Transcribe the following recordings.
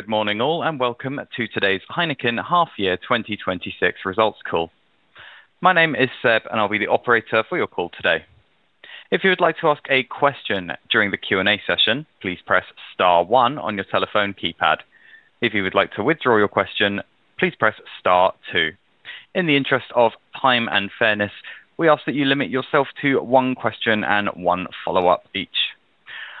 Welcome to today's Heineken Half Year 2026 Results Call. My name is Seb, and I will be the operator for your call today. If you would like to ask a question during the Q&A session, please press star one on your telephone keypad. If you would like to withdraw your question, please press star two. In the interest of time and fairness, we ask that you limit yourself to one question and one follow-up each.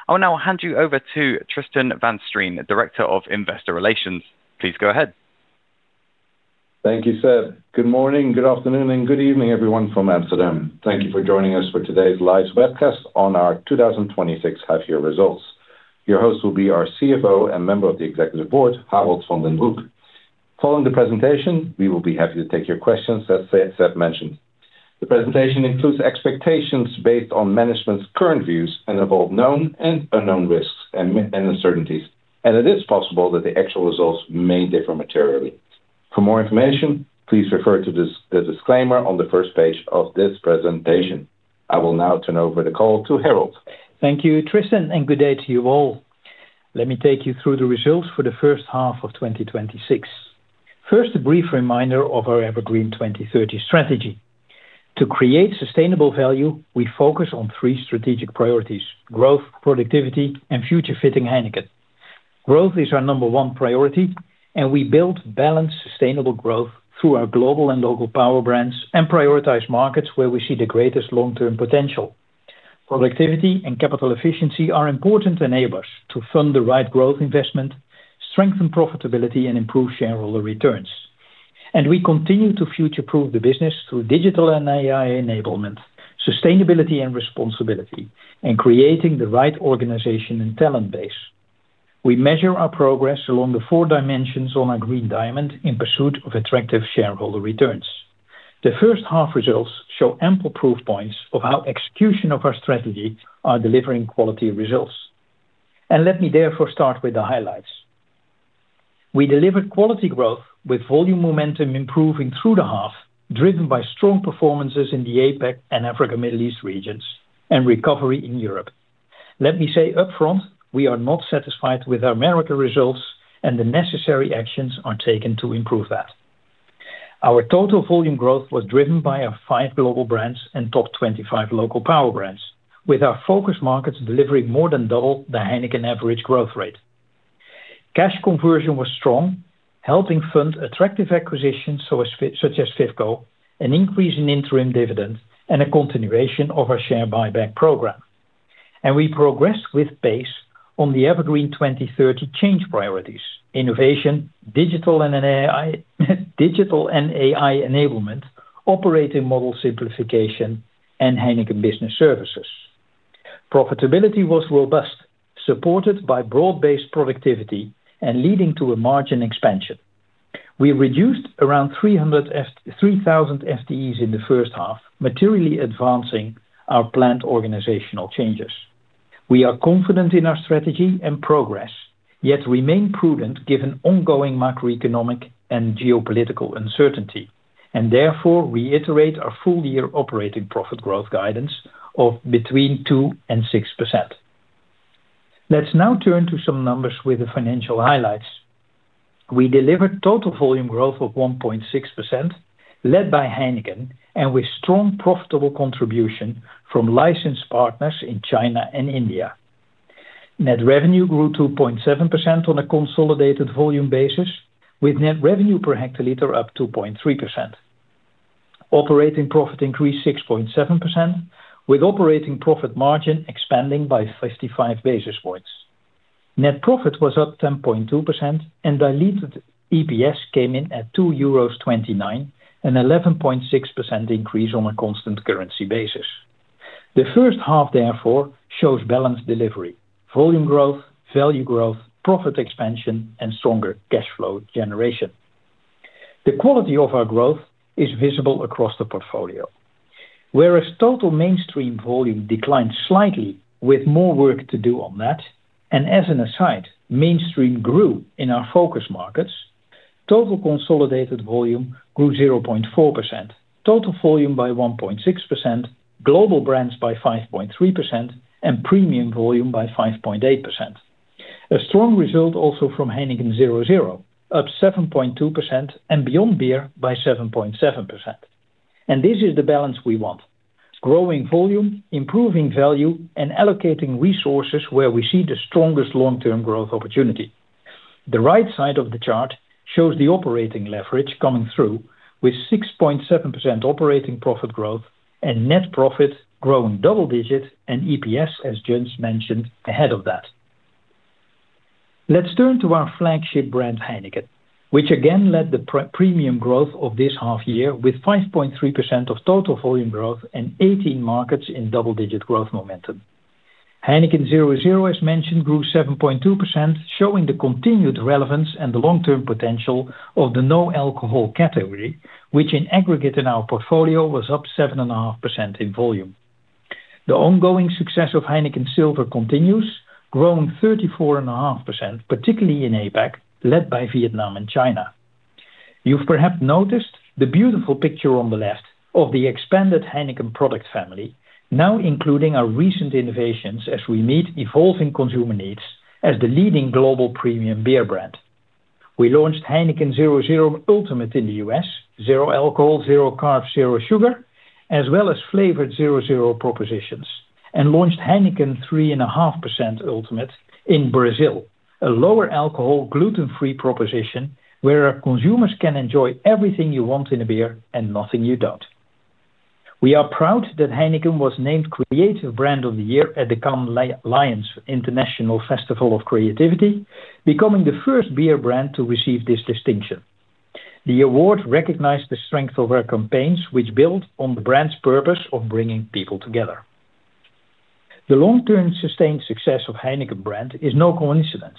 I will now hand you over to Tristan van Strien, Director of Investor Relations. Please go ahead. Thank you, Seb. Good morning, good afternoon, and good evening, everyone from Amsterdam. Thank you for joining us for today's live webcast on our 2026 half-year results. Your host will be our CFO and Member of the Executive Board, Harold van den Broek. Following the presentation, we will be happy to take your questions, as Seb mentioned. The presentation includes expectations based on management's current views and involve known and unknown risks and uncertainties, and it is possible that the actual results may differ materially. For more information, please refer to the disclaimer on the first page of this presentation. I will now turn over the call to Harold. Thank you, Tristan, and good day to you all. Let me take you through the results for the first half of 2026. First, a brief reminder of our EverGreen 2030 strategy. To create sustainable value, we focus on three strategic priorities: growth, productivity, and future fitting Heineken. Growth is our number one priority, and we build balanced, sustainable growth through our global and local power brands and prioritize markets where we see the greatest long-term potential. Productivity and capital efficiency are important enablers to fund the right growth investment, strengthen profitability, and improve shareholder returns. We continue to future-proof the business through digital and AI enablement, sustainability and responsibility, and creating the right organization and talent base. We measure our progress along the four dimensions on our green diamond in pursuit of attractive shareholder returns. The first half results show ample proof points of how execution of our strategy are delivering quality results. Let me therefore start with the highlights. We delivered quality growth with volume momentum improving through the half, driven by strong performances in the APAC and Africa, Middle East regions, and recovery in Europe. Let me say upfront, we are not satisfied with our Americas results, and the necessary actions are taken to improve that. Our total volume growth was driven by our five global brands and top 25 local power brands, with our focus markets delivering more than double the Heineken average growth rate. Cash conversion was strong, helping fund attractive acquisitions such as FIFCO, an increase in interim dividends, and a continuation of our share buyback program. We progressed with pace on the EverGreen 2030 change priorities, innovation, digital and AI enablement, operating model simplification, and Heineken Business Services. Profitability was robust, supported by broad-based productivity and leading to a margin expansion. We reduced around 3,000 FTEs in the first half, materially advancing our planned organizational changes. We are confident in our strategy and progress, yet remain prudent given ongoing macroeconomic and geopolitical uncertainty, therefore reiterate our full-year operating profit growth guidance of between 2% and 6%. Let's now turn to some numbers with the financial highlights. We delivered total volume growth of 1.6%, led by Heineken, with strong profitable contribution from licensed partners in China and India. Net revenue grew 2.7% on a consolidated volume basis, with net revenue per hectoliter up 2.3%. Operating profit increased 6.7%, with operating profit margin expanding by 55 basis points. Net profit was up 10.2%, and diluted EPS came in at 2.29 euros, an 11.6% increase on a constant currency basis. The first half, therefore, shows balanced delivery, volume growth, value growth, profit expansion, and stronger cash flow generation. The quality of our growth is visible across the portfolio. Whereas total mainstream volume declined slightly, with more work to do on that, as an aside, mainstream grew in our focus markets. Total consolidated volume grew 0.4%, total volume by 1.6%, global brands by 5.3%, and premium volume by 5.8%. A strong result also from Heineken 0.0, up 7.2%, and Beyond Beer by 7.7%. This is the balance we want: growing volume, improving value, and allocating resources where we see the strongest long-term growth opportunity. The right side of the chart shows the operating leverage coming through with 6.7% operating profit growth and net profit growing double-digits and EPS, as Jens mentioned, ahead of that. Let's turn to our flagship brand, Heineken, which again led the premium growth of this half year with 5.3% of total volume growth and 18 markets in double-digit growth momentum. Heineken 0.0, as mentioned, grew 7.2%, showing the continued relevance and the long-term potential of the no alcohol category, which in aggregate in our portfolio was up 7.5% in volume. The ongoing success of Heineken Silver continues, growing 34.5%, particularly in APAC, led by Vietnam and China. You've perhaps noticed the beautiful picture on the left of the expanded Heineken product family, now including our recent innovations as we meet evolving consumer needs as the leading global premium beer brand. We launched Heineken 0.0 Ultimate in the U.S., zero alcohol, zero carbs, zero sugar, as well as flavored 0.0 propositions, launched Heineken 3.5% Ultimate in Brazil, a lower alcohol, gluten-free proposition where our consumers can enjoy everything you want in a beer and nothing you don't. We are proud that Heineken was named Creative Brand of the Year at the Cannes Lions International Festival of Creativity, becoming the first beer brand to receive this distinction. The award recognized the strength of our campaigns, which build on the brand's purpose of bringing people together. The long-term sustained success of Heineken brand is no coincidence,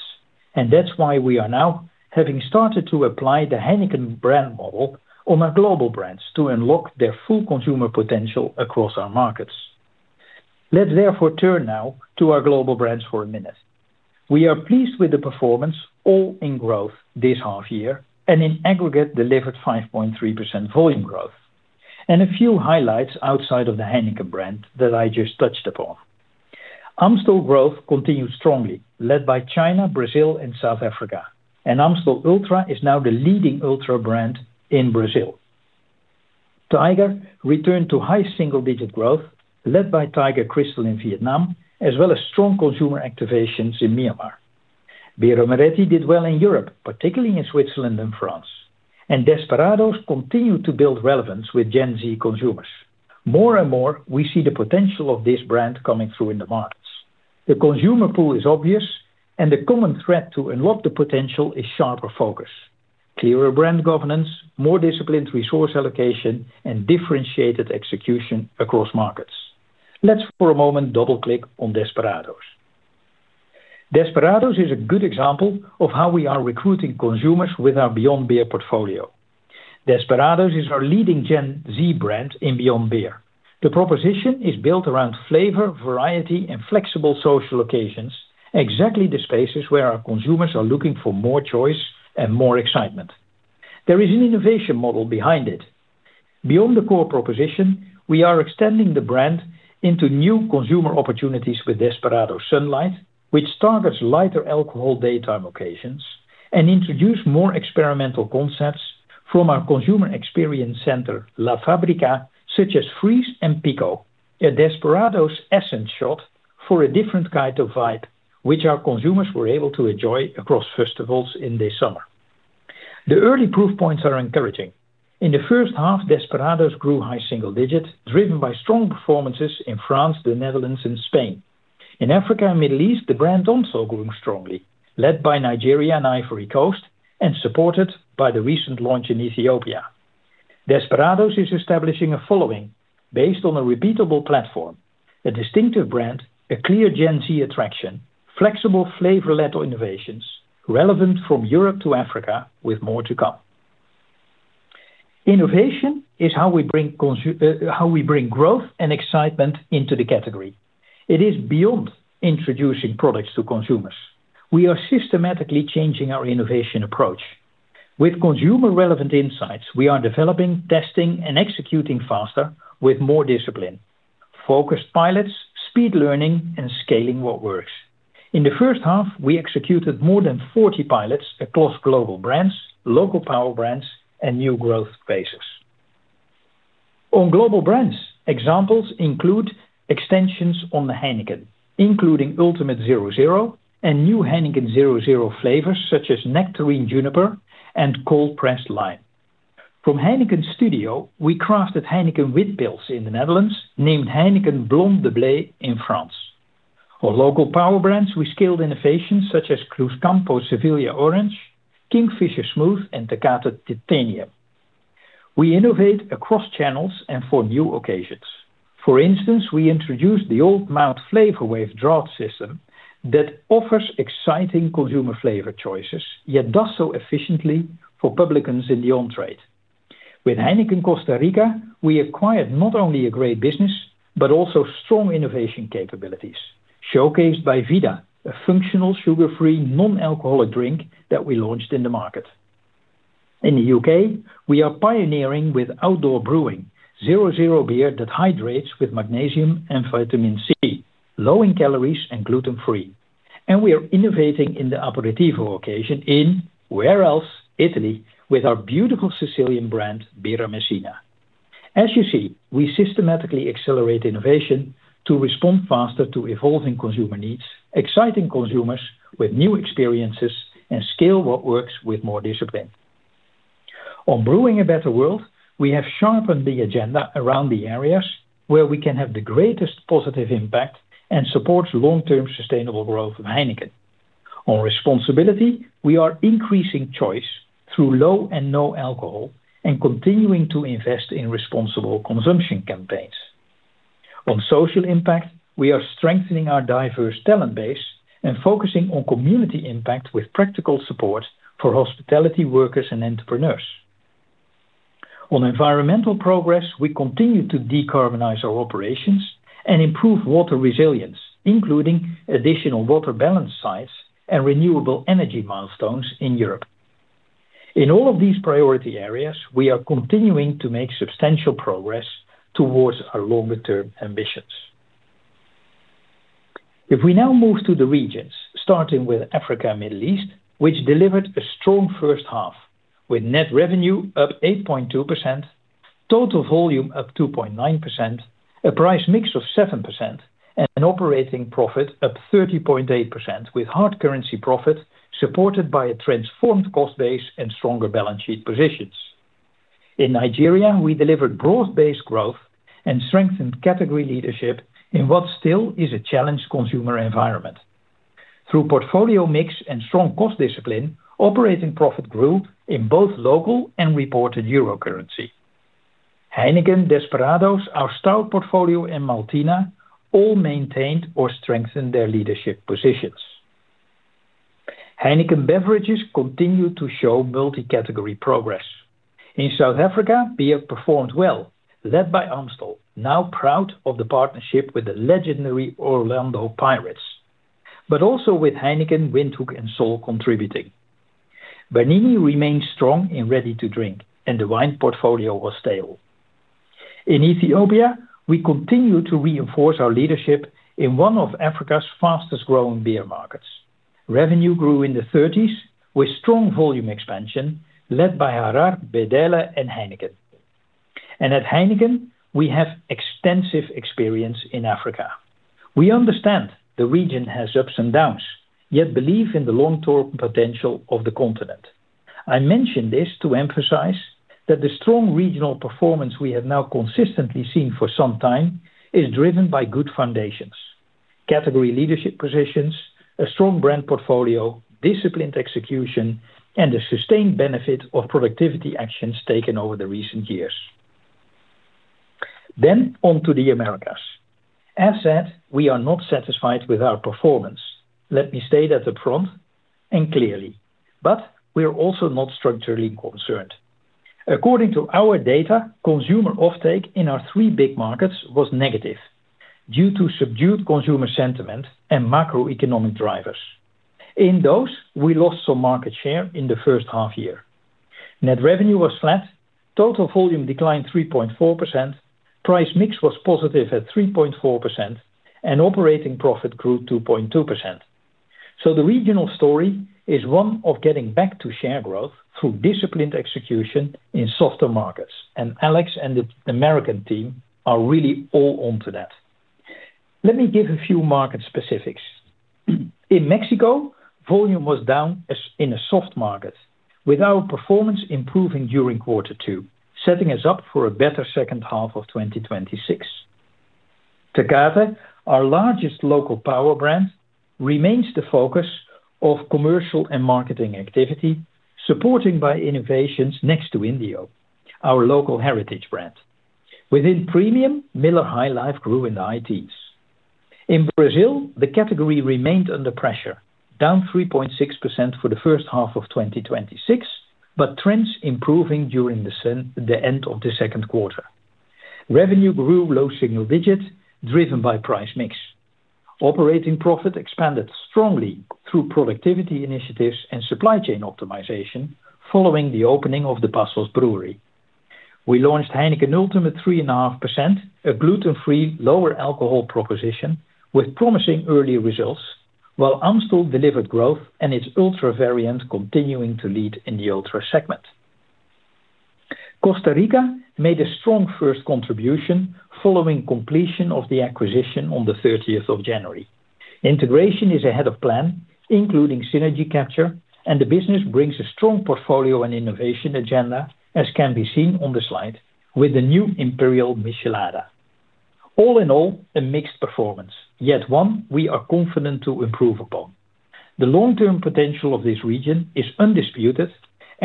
that's why we are now having started to apply the Heineken brand model on our global brands to unlock their full consumer potential across our markets. Let's therefore turn now to our global brands for a minute. We are pleased with the performance, all in growth this half year, in aggregate delivered 5.3% volume growth. A few highlights outside of the Heineken brand that I just touched upon. Amstel growth continued strongly, led by China, Brazil, and South Africa, and Amstel Ultra is now the leading Ultra brand in Brazil. Tiger returned to high single-digit growth led by Tiger Crystal in Vietnam, as well as strong consumer activations in Myanmar. Birra Moretti did well in Europe, particularly in Switzerland and France, and Desperados continued to build relevance with Gen Z consumers. More and more, we see the potential of this brand coming through in the markets. The consumer pool is obvious, and the common thread to unlock the potential is sharper focus, clearer brand governance, more disciplined resource allocation, and differentiated execution across markets. Let's for a moment double-click on Desperados. Desperados is a good example of how we are recruiting consumers with our Beyond Beer portfolio. Desperados is our leading Gen Z brand in Beyond Beer. The proposition is built around flavor, variety, and flexible social occasions, exactly the spaces where our consumers are looking for more choice and more excitement. There is an innovation model behind it. Beyond the core proposition, we are extending the brand into new consumer opportunities with Desperados Sunlight, which targets lighter alcohol daytime occasions, and introduce more experimental concepts from our consumer experience center, La Fábrica, such as Freeze and Pico, a Desperados essence shot for a different kind of vibe, which our consumers were able to enjoy across festivals in the summer. The early proof points are encouraging. In the first half, Desperados grew high single digits, driven by strong performances in France, the Netherlands, and Spain. In Africa and Middle East, the brand also grew strongly, led by Nigeria and Ivory Coast, and supported by the recent launch in Ethiopia. Desperados is establishing a following based on a repeatable platform, a distinctive brand, a clear Gen Z attraction, flexible flavor-led innovations relevant from Europe to Africa with more to come. Innovation is how we bring growth and excitement into the category. It is beyond introducing products to consumers. We are systematically changing our innovation approach. With consumer relevant insights, we are developing, testing, and executing faster with more discipline, focused pilots, speed learning, and scaling what works. In the first half, we executed more than 40 pilots across global brands, local power brands, and new growth spaces. On global brands, examples include extensions on the Heineken, including Ultimate 0.0 and new Heineken 0.0 flavors such as Nectarine Juniper and Cold Pressed Lime. From Heineken Studio, we crafted Heineken Wit Pils in the Netherlands, named Heineken Blonde de Blé in France. For local power brands, we scaled innovations such as Cruzcampo Sevilla Orange, Kingfisher Smooth, and Tecate Titanium. We innovate across channels and for new occasions. For instance, we introduced the Old Mout Flavor Wave draught system that offers exciting consumer flavor choices, yet does so efficiently for publicans in the on-trade. With Heineken Costa Rica, we acquired not only a great business, but also strong innovation capabilities, showcased by Vida, a functional sugar-free non-alcoholic drink that we launched in the market. In the U.K., we are pioneering with Outdoor Brewing, 0.0 beer that hydrates with magnesium and vitamin C, low in calories and gluten-free. We are innovating in the aperitivo occasion in, where else, Italy, with our beautiful Sicilian brand, Birra Messina. As you see, we systematically accelerate innovation to respond faster to evolving consumer needs, exciting consumers with new experiences, and scale what works with more discipline. On brewing a better world, we have sharpened the agenda around the areas where we can have the greatest positive impact and support long-term sustainable growth of Heineken. On responsibility, we are increasing choice through low and no alcohol and continuing to invest in responsible consumption campaigns. On social impact, we are strengthening our diverse talent base and focusing on community impact with practical support for hospitality workers and entrepreneurs. On environmental progress, we continue to decarbonize our operations and improve water resilience, including additional water balance sites and renewable energy milestones in Europe. In all of these priority areas, we are continuing to make substantial progress towards our longer-term ambitions. We now move to the regions, starting with Africa and Middle East, which delivered a strong first half, with net revenue up 8.2%, total volume up 2.9%, a price mix of 7%, and an operating profit up 30.8%, with hard currency profit supported by a transformed cost base and stronger balance sheet positions. In Nigeria, we delivered broad-based growth and strengthened category leadership in what still is a challenged consumer environment. Through portfolio mix and strong cost discipline, operating profit grew in both local and reported EUR currency. Heineken, Desperados, our Stout portfolio, and Maltina all maintained or strengthened their leadership positions. Heineken beverages continued to show multi-category progress. In South Africa, beer performed well, led by Amstel, now proud of the partnership with the legendary Orlando Pirates, with Heineken, Windhoek, and Sol contributing. Bernini remains strong in ready-to-drink, and the wine portfolio was stable. In Ethiopia, we continue to reinforce our leadership in one of Africa's fastest growing beer markets. Revenue grew in the 30s with strong volume expansion led by Harar, Bedele, and Heineken. At Heineken, we have extensive experience in Africa. We understand the region has ups and downs, yet believe in the long-term potential of the continent. I mention this to emphasize that the strong regional performance we have now consistently seen for some time is driven by good foundations: category leadership positions, a strong brand portfolio, disciplined execution, and a sustained benefit of productivity actions taken over the recent years. On to the Americas. As said, we are not satisfied with our performance. Let me state at the front and clearly, we are also not structurally concerned. According to our data, consumer offtake in our three big markets was negative due to subdued consumer sentiment and macroeconomic drivers. In those, we lost some market share in the first half year. Net revenue was flat, total volume declined 3.4%, price mix was positive at 3.4%, and operating profit grew 2.2%. The regional story is one of getting back to share growth through disciplined execution in softer markets, Alex and the American team are really all on to that. Let me give a few market specifics. In Mexico, volume was down in a soft market with our performance improving during quarter two, setting us up for a better second half of 2026. Tecate, our largest local power brand, remains the focus of commercial and marketing activity, supported by innovations next to Indio, our local heritage brand. Within premium, Miller High Life grew in the high teens. In Brazil, the category remained under pressure, down 3.6% for the first half of 2026, but trends improving during the end of the second quarter. Revenue grew low single digits, driven by price mix. Operating profit expanded strongly through productivity initiatives and supply chain optimization following the opening of the Passos brewery. We launched Heineken Ultimate 3.5%, a gluten-free, lower alcohol proposition with promising early results, while Amstel delivered growth and its Ultra variant continuing to lead in the Ultra segment. Costa Rica made a strong first contribution following completion of the acquisition on the 30th of January. Integration is ahead of plan, including synergy capture, and the business brings a strong portfolio and innovation agenda, as can be seen on the slide with the new Imperial Michelada. All in all, a mixed performance, yet one we are confident to improve upon. The long-term potential of this region is undisputed,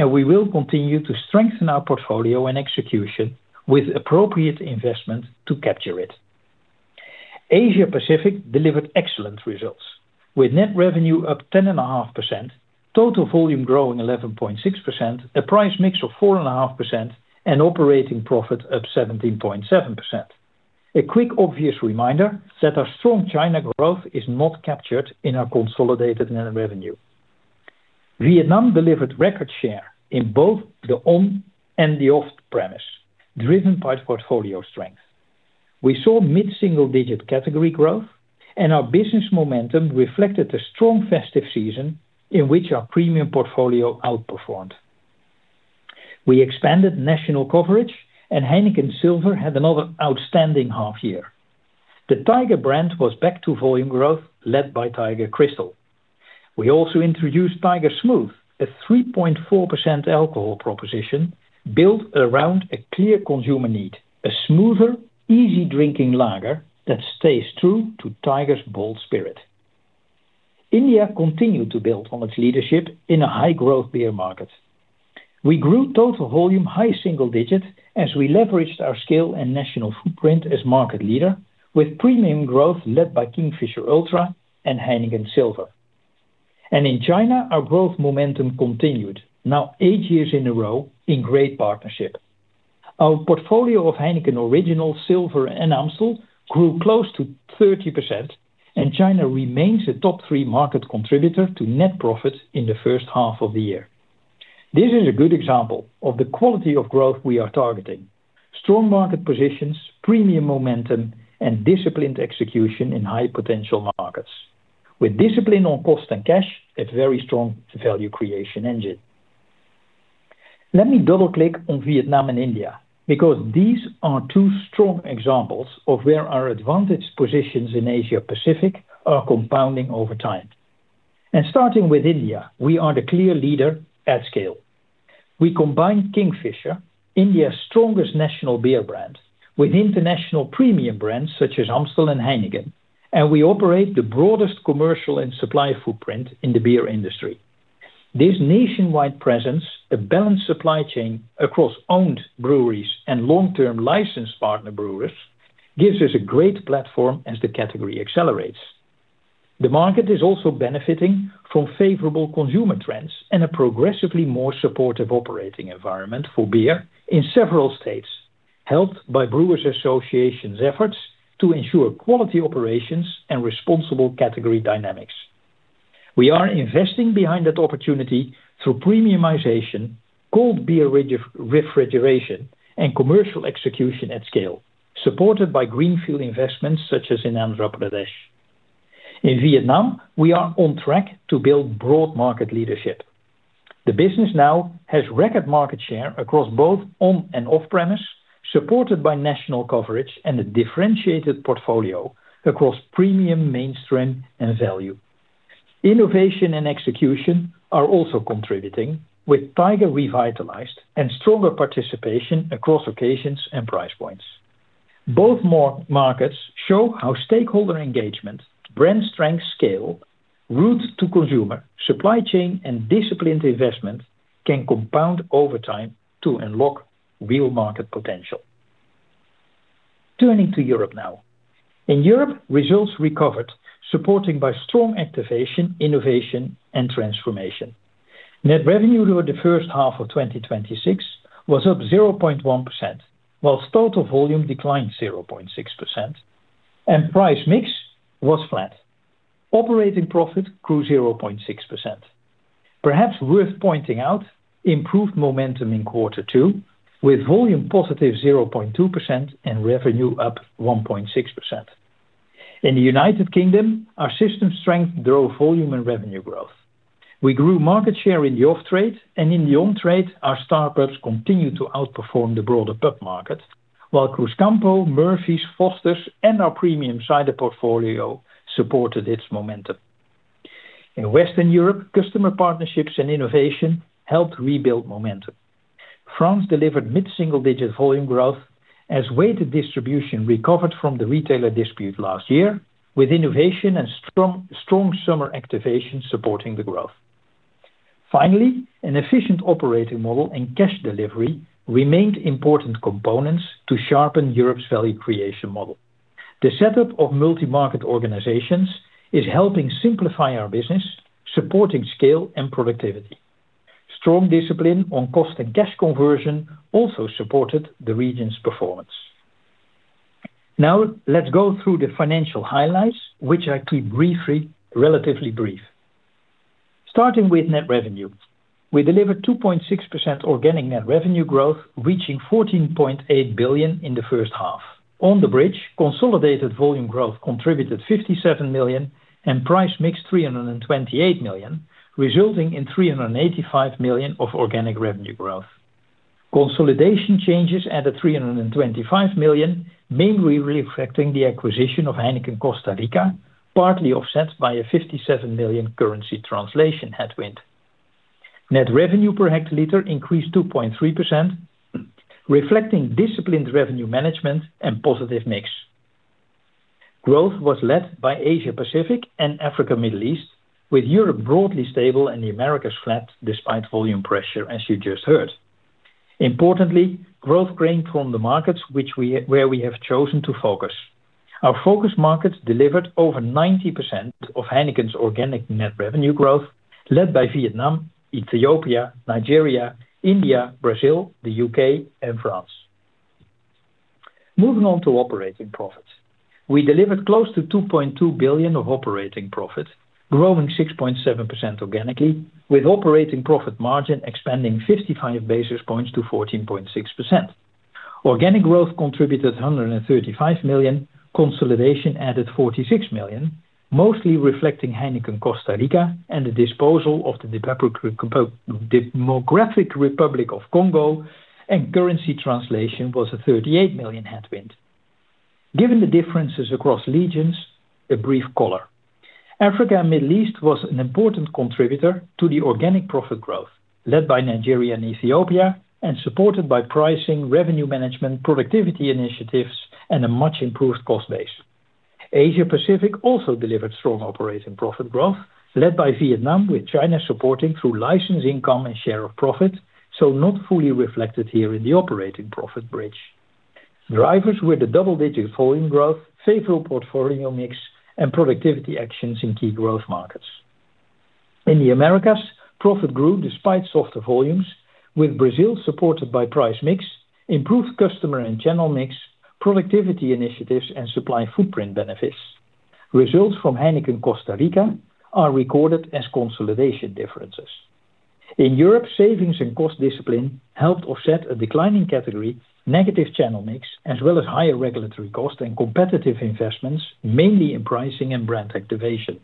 we will continue to strengthen our portfolio and execution with appropriate investment to capture it. Asia Pacific delivered excellent results, with net revenue up 10.5%, total volume growing 11.6%, a price mix of 4.5%, and operating profit up 17.7%. A quick obvious reminder that our strong China growth is not captured in our consolidated net revenue. Vietnam delivered record share in both the on and the off premise, driven by portfolio strength. We saw mid-single-digit category growth, our business momentum reflected a strong festive season in which our premium portfolio outperformed. We expanded national coverage, Heineken Silver had another outstanding half year. The Tiger brand was back to volume growth led by Tiger Crystal. We also introduced Tiger Smooth, a 3.4% alcohol proposition built around a clear consumer need, a smoother, easy drinking lager that stays true to Tiger's bold spirit. India continued to build on its leadership in a high growth beer market. We grew total volume high single digits as we leveraged our scale and national footprint as market leader with premium growth led by Kingfisher Ultra and Heineken Silver. In China, our growth momentum continued, now eight years in a row in great partnership. Our portfolio of Heineken Original, Silver, and Amstel grew close to 30%, China remains a top three market contributor to net profit in the first half of the year. This is a good example of the quality of growth we are targeting. Strong market positions, premium momentum, and disciplined execution in high potential markets. With discipline on cost and cash, a very strong value creation engine. Let me double-click on Vietnam and India, because these are two strong examples of where our advantaged positions in Asia Pacific are compounding over time. Starting with India, we are the clear leader at scale. We combine Kingfisher, India's strongest national beer brand, with international premium brands such as Amstel and Heineken, we operate the broadest commercial and supply footprint in the beer industry. This nationwide presence, a balanced supply chain across owned breweries and long-term licensed partner breweries, gives us a great platform as the category accelerates. The market is also benefiting from favorable consumer trends and a progressively more supportive operating environment for beer in several states, helped by Brewers Association's efforts to ensure quality operations and responsible category dynamics. We are investing behind that opportunity through premiumization, cold beer refrigeration, and commercial execution at scale, supported by greenfield investments such as in Andhra Pradesh. In Vietnam, we are on track to build broad market leadership. The business now has record market share across both on and off premise, supported by national coverage and a differentiated portfolio across premium, mainstream, and value. Innovation and execution are also contributing, with Tiger revitalized and stronger participation across occasions and price points. Both markets show how stakeholder engagement, brand strength scale, route to consumer, supply chain, and disciplined investment can compound over time to unlock real market potential. Turning to Europe now. In Europe, results recovered, supporting by strong activation, innovation, and transformation. Net revenue over the first half of 2026 was up 0.1%, while total volume declined 0.6%, price mix was flat. Operating profit grew 0.6%. Perhaps worth pointing out, improved momentum in quarter two, with volume +0.2% and revenue up 1.6%. In the United Kingdom, our system strength drove volume and revenue growth. We grew market share in the off-trade and in the on-trade, our Star Pubs continued to outperform the broader pub market, while Cruzcampo, Murphy's, Foster's, and our premium cider portfolio supported its momentum. In Western Europe, customer partnerships and innovation helped rebuild momentum. France delivered mid-single-digit volume growth as weighted distribution recovered from the retailer dispute last year, with innovation and strong summer activation supporting the growth. Finally, an efficient operating model and cash delivery remained important components to sharpen Europe's value creation model. The setup of Multi-Market Organizations is helping simplify our business, supporting scale and productivity. Strong discipline on cost and cash conversion also supported the region's performance. Now, let's go through the financial highlights, which I keep relatively brief. Starting with net revenue. We delivered 2.6% organic net revenue growth, reaching 14.8 billion in the first half. On the bridge, consolidated volume growth contributed 57 million and price mix 328 million, resulting in 385 million of organic revenue growth. Consolidation changes added 325 million, mainly reflecting the acquisition of Heineken Costa Rica, partly offset by a 57 million currency translation headwind. Net revenue per hectoliter increased 2.3%, reflecting disciplined revenue management and positive mix. Growth was led by Asia Pacific and Africa and Middle East, with Europe broadly stable and the Americas flat despite volume pressure, as you just heard. Importantly, growth gained from the markets where we have chosen to focus. Our focus markets delivered over 90% of Heineken's organic net revenue growth, led by Vietnam, Ethiopia, Nigeria, India, Brazil, the U.K., and France. Moving on to operating profits. We delivered close to 2.2 billion of operating profit, growing 6.7% organically, with operating profit margin expanding 55 basis points to 14.6%. Organic growth contributed 135 million, consolidation added 46 million, mostly reflecting Heineken Costa Rica and the disposal of the Democratic Republic of Congo, currency translation was a 38 million headwind. Given the differences across regions, a brief color. Africa and Middle East was an important contributor to the organic profit growth, led by Nigeria and Ethiopia and supported by pricing, revenue management, productivity initiatives, and a much improved cost base. Asia Pacific also delivered strong operating profit growth, led by Vietnam, with China supporting through license income and share of profit, so not fully reflected here in the operating profit bridge. Drivers with a double-digit volume growth, favorable portfolio mix, and productivity actions in key growth markets. In the Americas, profit grew despite softer volumes, with Brazil supported by price mix, improved customer and channel mix, productivity initiatives, and supply footprint benefits. Results from Heineken Costa Rica are recorded as consolidation differences. In Europe, savings and cost discipline helped offset a declining category, negative channel mix, as well as higher regulatory cost and competitive investments, mainly in pricing and brand activation.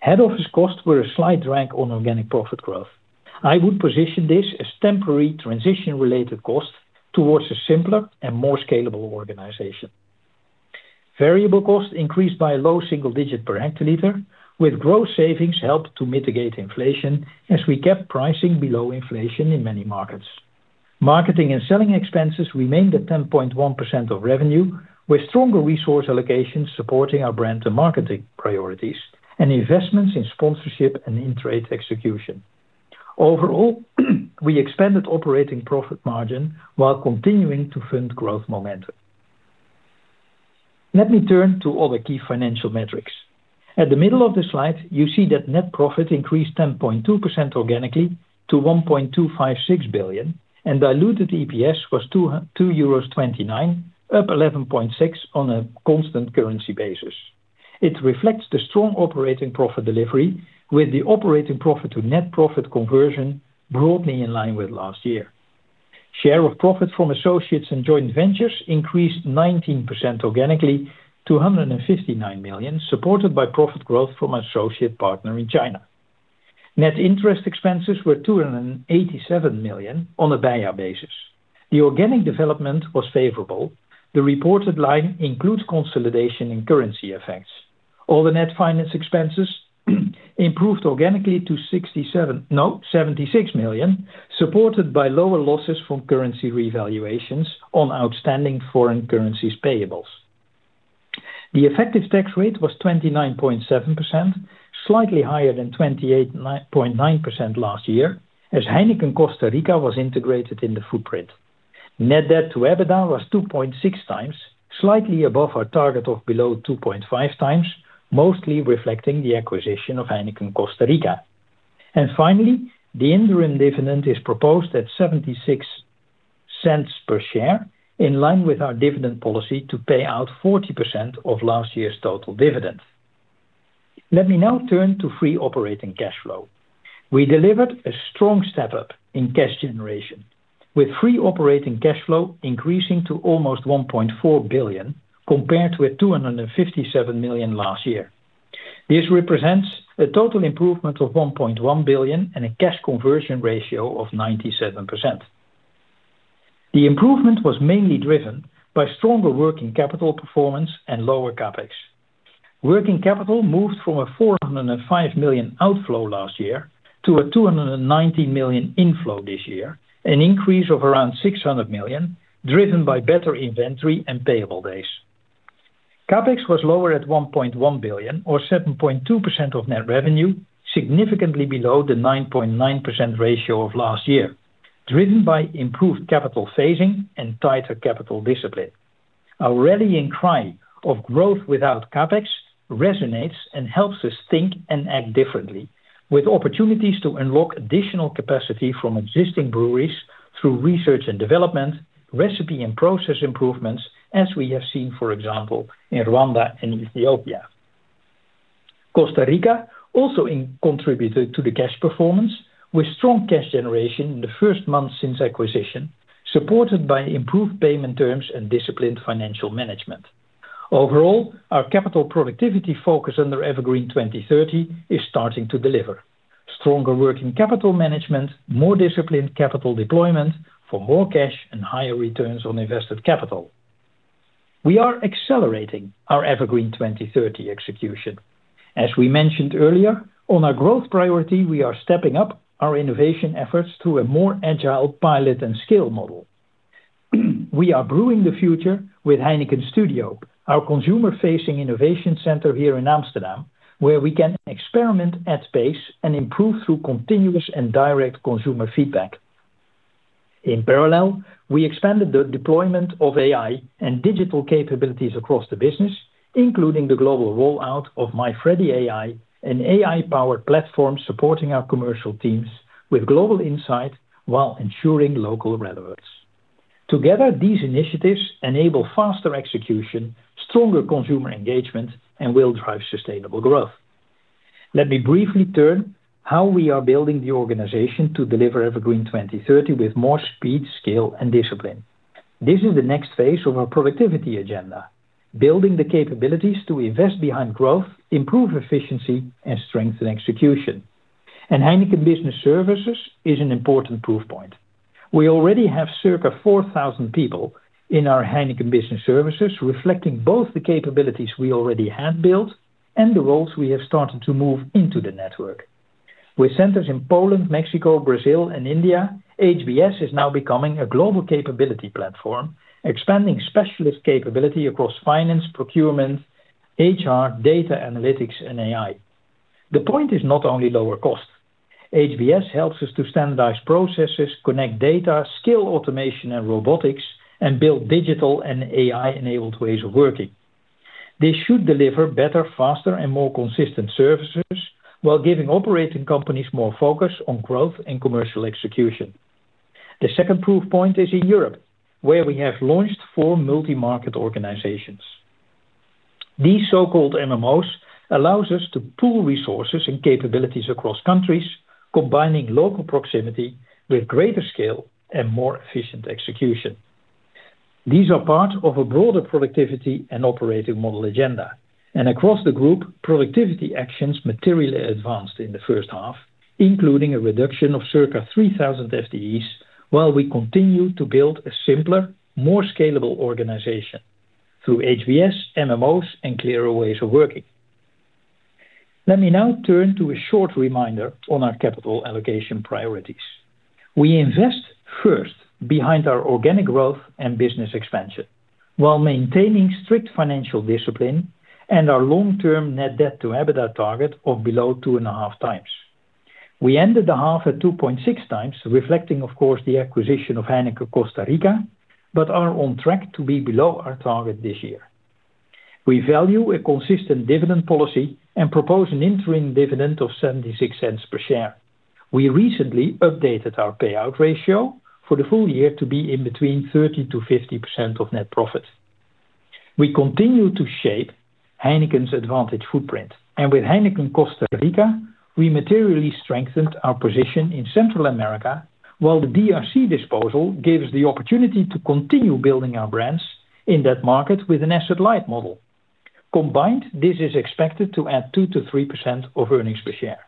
Head Office costs were a slight drag on organic profit growth. I would position this as temporary transition-related cost towards a simpler and more scalable organization. Variable costs increased by a low single digit per hectoliter, with growth savings helped to mitigate inflation as we kept pricing below inflation in many markets. Marketing and selling expenses remained at 10.1% of revenue, with stronger resource allocations supporting our brand and marketing priorities and investments in sponsorship and in-trade execution. Overall, we expanded operating profit margin while continuing to fund growth momentum. Let me turn to other key financial metrics. At the middle of the slide, you see that net profit increased 10.2% organically to 1.256 billion, and diluted EPS was 2.29 euros, up 11.6% on a constant currency basis. It reflects the strong operating profit delivery, with the operating profit to net profit conversion broadly in line with last year. Share of profit from associates and joint ventures increased 19% organically to 159 million, supported by profit growth from associate partner in China. Net interest expenses were 287 million on a beia basis. The organic development was favorable. The reported line includes consolidation and currency effects. All the net finance expenses improved organically to 76 million, supported by lower losses from currency revaluations on outstanding foreign currencies payables. The effective tax rate was 29.7%, slightly higher than 28.9% last year, as Heineken Costa Rica was integrated in the footprint. Net debt to EBITDA was 2.6x, slightly above our target of below 2.5x, mostly reflecting the acquisition of Heineken Costa Rica. Finally, the interim dividend is proposed at 0.76 per share, in line with our dividend policy to pay out 40% of last year's total dividend. Let me now turn to free operating cash flow. We delivered a strong step-up in cash generation, with free operating cash flow increasing to almost 1.4 billion, compared with 257 million last year. This represents a total improvement of 1.1 billion and a cash conversion ratio of 97%. The improvement was mainly driven by stronger working capital performance and lower CapEx. Working capital moved from a 405 million outflow last year to a 290 million inflow this year, an increase of around 600 million, driven by better inventory and payable days. CapEx was lower at 1.1 billion or 7.2% of net revenue, significantly below the 9.9% ratio of last year, driven by improved capital phasing and tighter capital discipline. Our rallying cry of growth without CapEx resonates and helps us think and act differently, with opportunities to unlock additional capacity from existing breweries through research and development, recipe and process improvements, as we have seen, for example, in Rwanda and Ethiopia. Costa Rica also contributed to the cash performance with strong cash generation in the first month since acquisition, supported by improved payment terms and disciplined financial management. Overall, our capital productivity focus under EverGreen 2030 is starting to deliver: stronger working capital management, more disciplined capital deployment for more cash and higher returns on invested capital. We are accelerating our EverGreen 2030 execution. As we mentioned earlier, on our growth priority, we are stepping up our innovation efforts through a more agile pilot and scale model. We are brewing the future with Heineken Studio, our consumer-facing innovation center here in Amsterdam, where we can experiment at pace and improve through continuous and direct consumer feedback. In parallel, we expanded the deployment of AI and digital capabilities across the business, including the global rollout of MyFreddyAI, an AI-powered platform supporting our commercial teams with global insight while ensuring local relevance. Together, these initiatives enable faster execution, stronger consumer engagement, and will drive sustainable growth. Let me briefly turn how we are building the organization to deliver EverGreen 2030 with more speed, scale, and discipline. This is the next phase of our productivity agenda: building the capabilities to invest behind growth, improve efficiency, and strengthen execution. And Heineken Business Services is an important proof point. We already have circa 4,000 people in our Heineken Business Services, reflecting both the capabilities we already have built and the roles we have started to move into the network. With centers in Poland, Mexico, Brazil, and India, HBS is now becoming a global capability platform, expanding specialist capability across finance, procurement, HR, data analytics, and AI. The point is not only lower cost. HBS helps us to standardize processes, connect data, scale automation and robotics, and build digital and AI-enabled ways of working. This should deliver better, faster, and more consistent services while giving operating companies more focus on growth and commercial execution. The second proof point is in Europe, where we have launched four multi-market organizations. These so-called MMOs allows us to pool resources and capabilities across countries, combining local proximity with greater scale and more efficient execution. These are part of a broader productivity and operating model agenda. And across the group, productivity actions materially advanced in the first half, including a reduction of circa 3,000 FTEs, while we continue to build a simpler, more scalable organization through HBS, MMOs, and clearer ways of working. Let me now turn to a short reminder on our capital allocation priorities. We invest first behind our organic growth and business expansion while maintaining strict financial discipline and our long-term net debt to EBITDA target of below 2.5x. We ended the half at 2.6x, reflecting, of course, the acquisition of Heineken Costa Rica, but are on track to be below our target this year. We value a consistent dividend policy and propose an interim dividend of 0.76 per share. We recently updated our payout ratio for the full-year to be in between 30%-50% of net profit. We continue to shape Heineken's advantage footprint. And with Heineken Costa Rica, we materially strengthened our position in Central America, while the DRC disposal gave us the opportunity to continue building our brands in that market with an asset-light model. Combined, this is expected to add 2%-3% of earnings per share.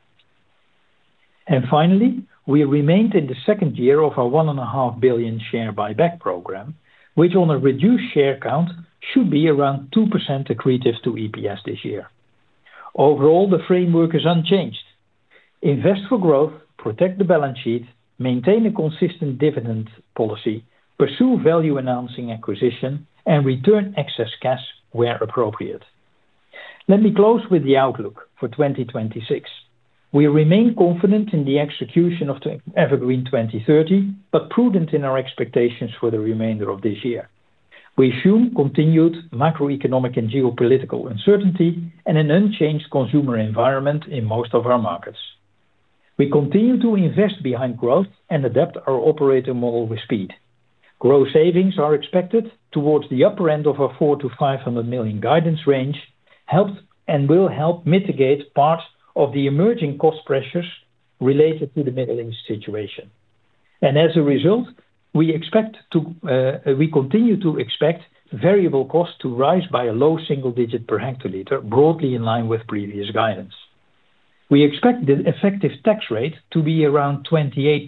And finally, we remained in the second year of our 1.5 billion share buyback program, which on a reduced share count, should be around 2% accretive to EPS this year. Overall, the framework is unchanged. Invest for growth, protect the balance sheet, maintain a consistent dividend policy, pursue value-enhancing acquisition, and return excess cash where appropriate. Let me close with the outlook for 2026. We remain confident in the execution of the EverGreen 2030, but prudent in our expectations for the remainder of this year. We assume continued macroeconomic and geopolitical uncertainty and an unchanged consumer environment in most of our markets. We continue to invest behind growth and adapt our operating model with speed. Growth savings are expected towards the upper end of our 400 million-500 million guidance range, and will help mitigate part of the emerging cost pressures related to the Middle East situation. As a result, we continue to expect variable costs to rise by a low single-digit per hectoliter, broadly in line with previous guidance. We expect the effective tax rate to be around 28%,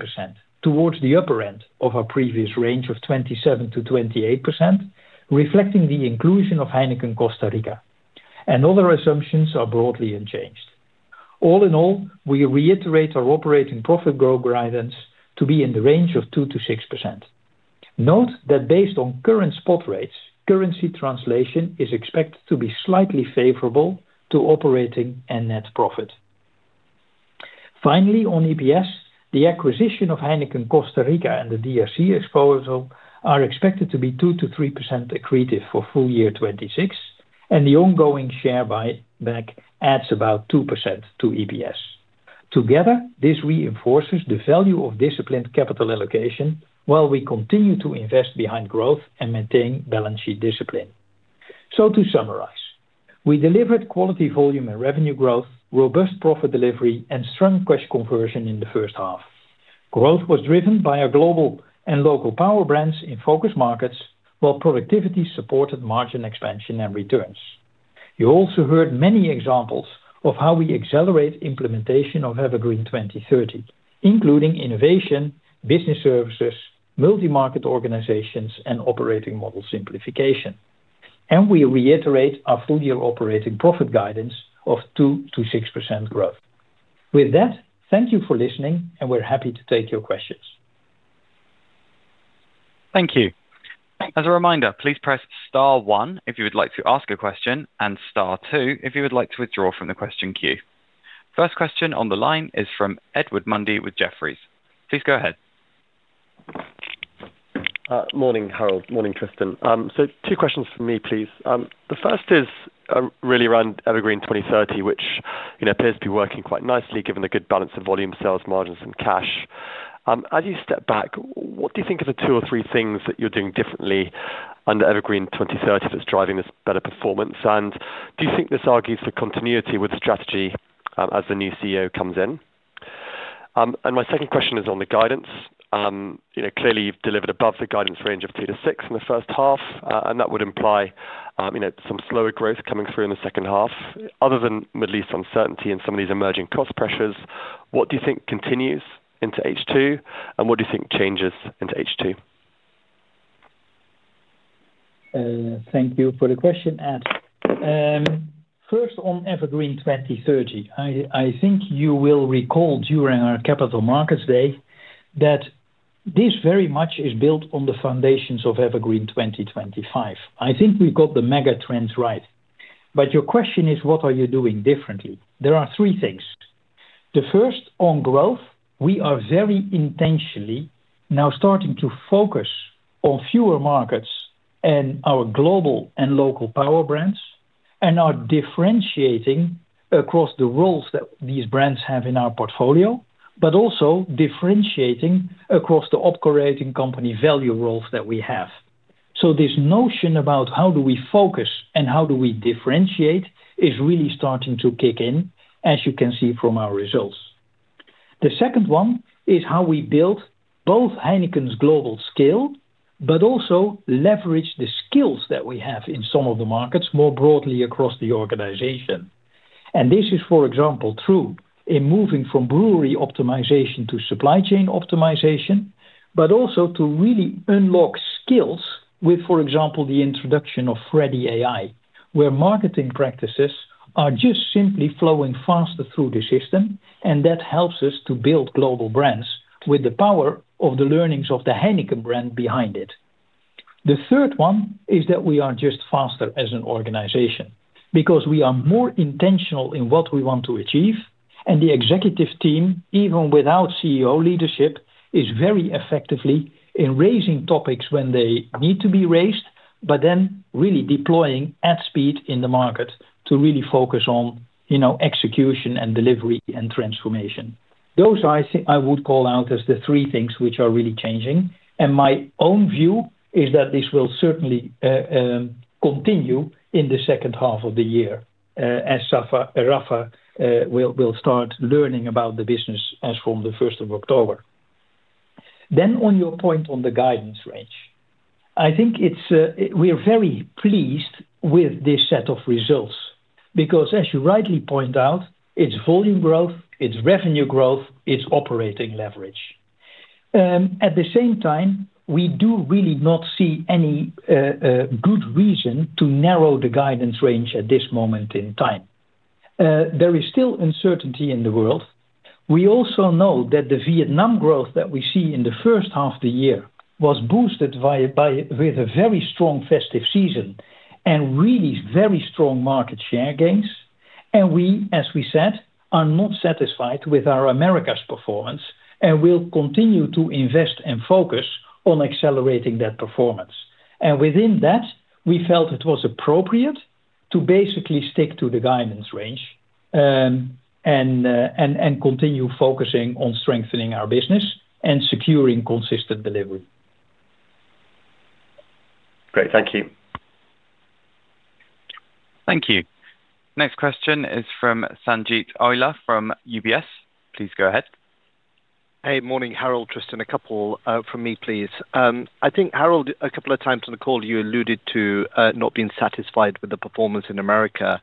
towards the upper end of our previous range of 27%-28%, reflecting the inclusion of Heineken Costa Rica. Other assumptions are broadly unchanged. All in all, we reiterate our operating profit growth guidance to be in the range of 2%-6%. Note that based on current spot rates, currency translation is expected to be slightly favorable to operating and net profit. Finally, on EPS, the acquisition of Heineken Costa Rica and the DRC exposure are expected to be 2%-3% accretive for full-year 2026, and the ongoing share buyback adds about 2% to EPS. Together, this reinforces the value of disciplined capital allocation while we continue to invest behind growth and maintain balance sheet discipline. To summarize, we delivered quality volume and revenue growth, robust profit delivery, and strong cash conversion in the first half. Growth was driven by our global and local power brands in focus markets, while productivity supported margin expansion and returns. You also heard many examples of how we accelerate implementation of EverGreen 2030, including innovation, Heineken Business Services, Multi-Market Organizations, and operating model simplification. We reiterate our full-year operating profit guidance of 2%-6% growth. With that, thank you for listening, and we're happy to take your questions. Thank you. Thank you. As a reminder, please press star one if you would like to ask a question, and star two if you would like to withdraw from the question queue. First question on the line is from Edward Mundy with Jefferies. Please go ahead. Morning, Harold. Morning, Tristan. Two questions from me, please. The first is really around EverGreen 2030, which appears to be working quite nicely given the good balance of volume sales, margins, and cash. As you step back, what do you think are the two or three things that you're doing differently under EverGreen 2030 that's driving this better performance? Do you think this argues for continuity with the strategy as the new CEO comes in? My second question is on the guidance. Clearly, you've delivered above the guidance range of 2%-6% in the first half, and that would imply some slower growth coming through in the second half. Other than Middle East uncertainty and some of these emerging cost pressures, what do you think continues into H2? What do you think changes into H2? Thank you for the question, Ed. First, on EverGreen 2030, I think you will recall during our Capital Markets Day that This very much is built on the foundations of EverGreen 2025. I think we've got the mega trends right. Your question is, what are you doing differently? There are three things. The first, on growth, we are very intentionally now starting to focus on fewer markets and our global and local power brands, and are differentiating across the roles that these brands have in our portfolio, but also differentiating across the operating company value roles that we have. This notion about how do we focus and how do we differentiate is really starting to kick in, as you can see from our results. The second one is how we build both Heineken's global scale, but also leverage the skills that we have in some of the markets more broadly across the organization. This is, for example, true in moving from brewery optimization to supply chain optimization, but also to really unlock skills with, for example, the introduction of FreddyAI, where marketing practices are just simply flowing faster through the system, that helps us to build global brands with the power of the learnings of the Heineken brand behind it. The third one is that we are just faster as an organization because we are more intentional in what we want to achieve, the executive team, even without CEO leadership, is very effectively in raising topics when they need to be raised, but then really deploying at speed in the market to really focus on execution and delivery and transformation. Those, I would call out as the three things which are really changing. My own view is that this will certainly continue in the second half of the year, as Rafa will start learning about the business as from the 1st of October. On your point on the guidance range, I think we're very pleased with this set of results because, as you rightly point out, it's volume growth, it's revenue growth, it's operating leverage. At the same time, we do really not see any good reason to narrow the guidance range at this moment in time. There is still uncertainty in the world. We also know that the Vietnam growth that we see in the first half of the year was boosted with a very strong festive season and really very strong market share gains. We, as we said, are not satisfied with our Americas performance and will continue to invest and focus on accelerating that performance. Within that, we felt it was appropriate to basically stick to the guidance range, and continue focusing on strengthening our business and securing consistent delivery. Great. Thank you. Thank you. Next question is from Sanjeet Aujla from UBS. Please go ahead. Hey, morning, Harold, Tristan, a couple from me, please. I think, Harold, a couple of times on the call, you alluded to not being satisfied with the performance in the Americas,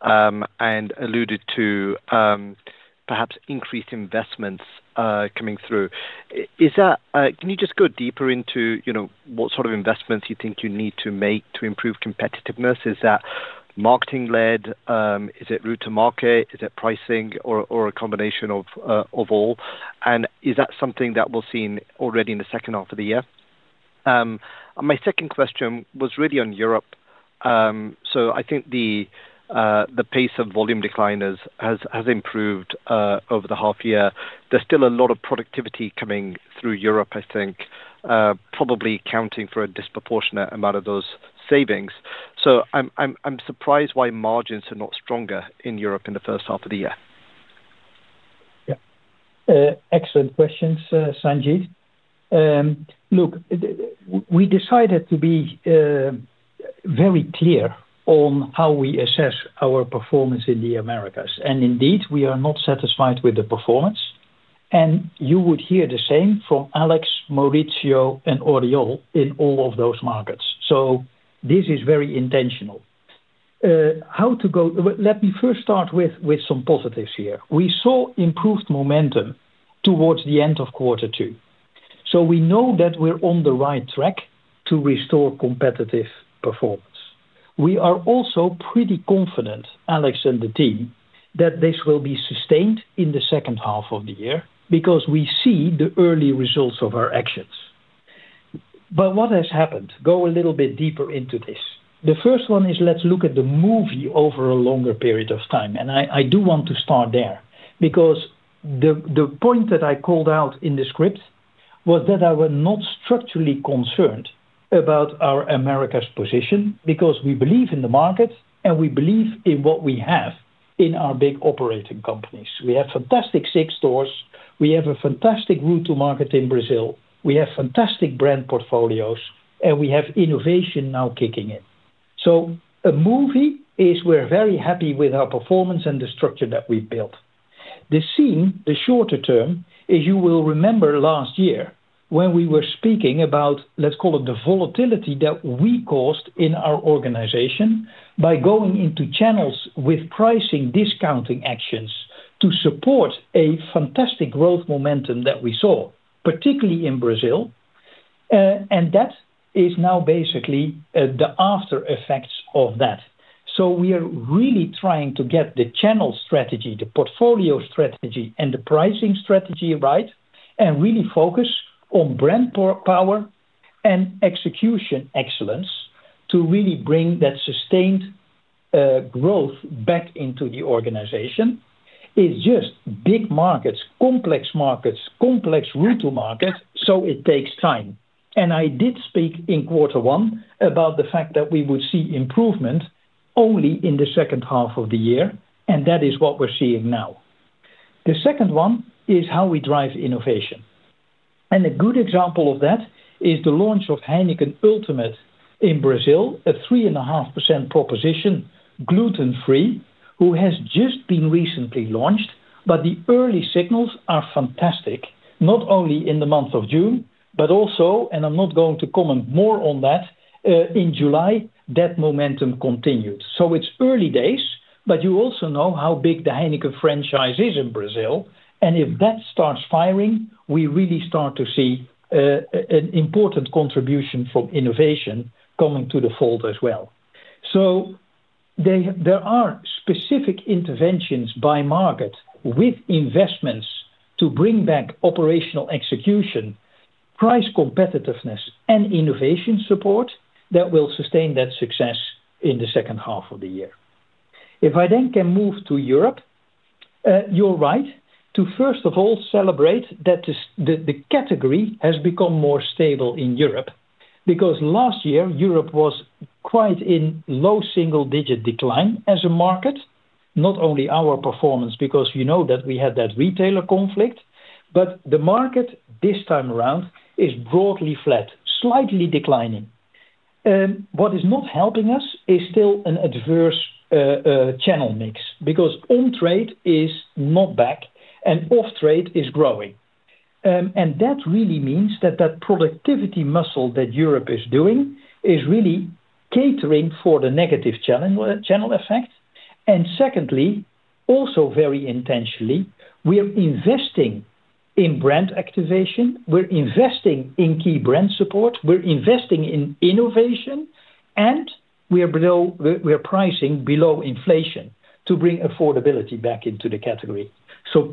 alluded to perhaps increased investments coming through. Can you just go deeper into what sort of investments you think you need to make to improve competitiveness? Is that marketing led? Is it route to market? Is it pricing or a combination of all? Is that something that we'll see already in the second half of the year? My second question was really on Europe. I think the pace of volume decline has improved over the half year. There's still a lot of productivity coming through Europe, I think, probably accounting for a disproportionate amount of those savings. I'm surprised why margins are not stronger in Europe in the first half of the year. Yeah. Excellent questions, Sanjeet. Look, we decided to be very clear on how we assess our performance in the Americas. Indeed, we are not satisfied with the performance. You would hear the same from Alex, Mauricio, and Oriol in all of those markets. This is very intentional. Let me first start with some positives here. We saw improved momentum towards the end of quarter two. We know that we're on the right track to restore competitive performance. We are also pretty confident, Alex and the team, that this will be sustained in the second half of the year because we see the early results of our actions. What has happened, go a little bit deeper into this. The first one is let's look at the movie over a longer period of time. I do want to start there because the point that I called out in the script was that I was not structurally concerned about our Americas' position because we believe in the market and we believe in what we have in our big operating companies. We have fantastic SIX stores. We have a fantastic route to market in Brazil. We have fantastic brand portfolios, we have innovation now kicking in. A movie is we're very happy with our performance and the structure that we've built. The scene, the shorter-term, as you will remember last year, when we were speaking about, let's call it, the volatility that we caused in our organization by going into channels with pricing discounting actions to support a fantastic growth momentum that we saw, particularly in Brazil. That is now basically the after effects of that. We are really trying to get the channel strategy, the portfolio strategy, and the pricing strategy right, and really focus on brand power and execution excellence to really bring that sustained growth back into the organization. It's just big markets, complex markets, complex route to market, it takes time. I did speak in quarter one about the fact that we would see improvement only in the second half of the year, and that is what we're seeing now. The second one is how we drive innovation. A good example of that is the launch of Heineken Ultimate in Brazil, a 3.5% proposition, gluten free, who has just been recently launched. The early signals are fantastic, not only in the month of June, but also, and I'm not going to comment more on that, in July, that momentum continued. It's early days, but you also know how big the Heineken franchise is in Brazil. If that starts firing, we really start to see an important contribution from innovation coming to the fold as well. There are specific interventions by market with investments to bring back operational execution, price competitiveness, and innovation support that will sustain that success in the second half of the year. If I then can move to Europe, you're right to first of all celebrate that the category has become more stable in Europe, because last year Europe was quite in low single-digit decline as a market, not only our performance, because you know that we had that retailer conflict. The market this time around is broadly flat, slightly declining. What is not helping us is still an adverse channel mix, because on-trade is not back and off-trade is growing. That really means that that productivity muscle that Europe is doing is really catering for the negative channel effect. Secondly, also very intentionally, we're investing in brand activation, we're investing in key brand support, we're investing in innovation, and we're pricing below inflation to bring affordability back into the category.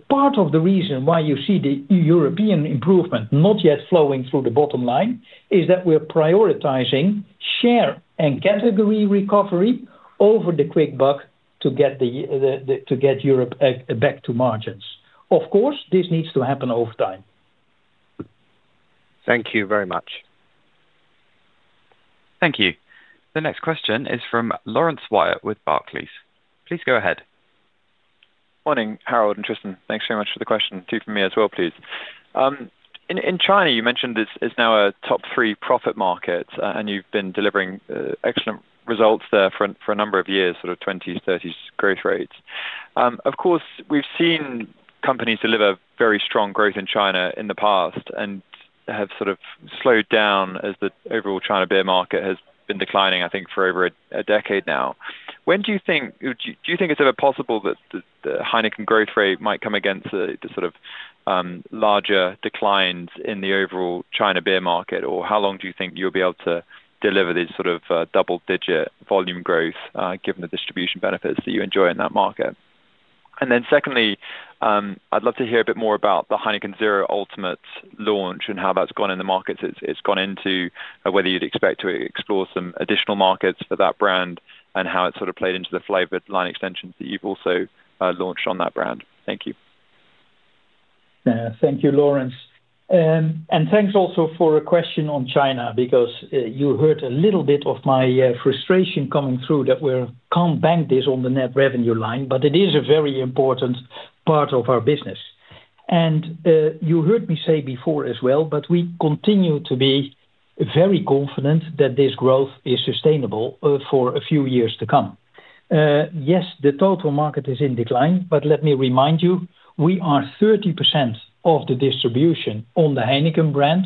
Part of the reason why you see the European improvement not yet flowing through the bottom line is that we're prioritizing share and category recovery over the quick buck to get Europe back to margins. Of course, this needs to happen over time. Thank you very much. Thank you. The next question is from Laurence Whyatt with Barclays. Please go ahead. Morning, Harold and Tristan. Thanks very much for the question. Two from me as well, please. In China, you mentioned it's now a top three profit market, and you've been delivering excellent results there for a number of years, sort of 20%, 30% growth rates. Of course, we've seen companies deliver very strong growth in China in the past and have sort of slowed down as the overall China beer market has been declining, I think, for over a decade now. Do you think it's ever possible that the Heineken growth rate might come against the sort of larger declines in the overall China beer market? Or how long do you think you'll be able to deliver these sort of double-digit volume growth given the distribution benefits that you enjoy in that market? Secondly, I'd love to hear a bit more about the Heineken 0.0 Ultimate launch and how that's gone in the markets it's gone into, whether you'd expect to explore some additional markets for that brand and how it's sort of played into the flavored line extensions that you've also launched on that brand. Thank you. Thank you, Laurence. Thanks also for a question on China, because you heard a little bit of my frustration coming through that we can't bank this on the net revenue line, it is a very important part of our business. You heard me say before as well, we continue to be very confident that this growth is sustainable for a few years to come. Yes, the total market is in decline, but let me remind you, we are 30% of the distribution on the Heineken brand.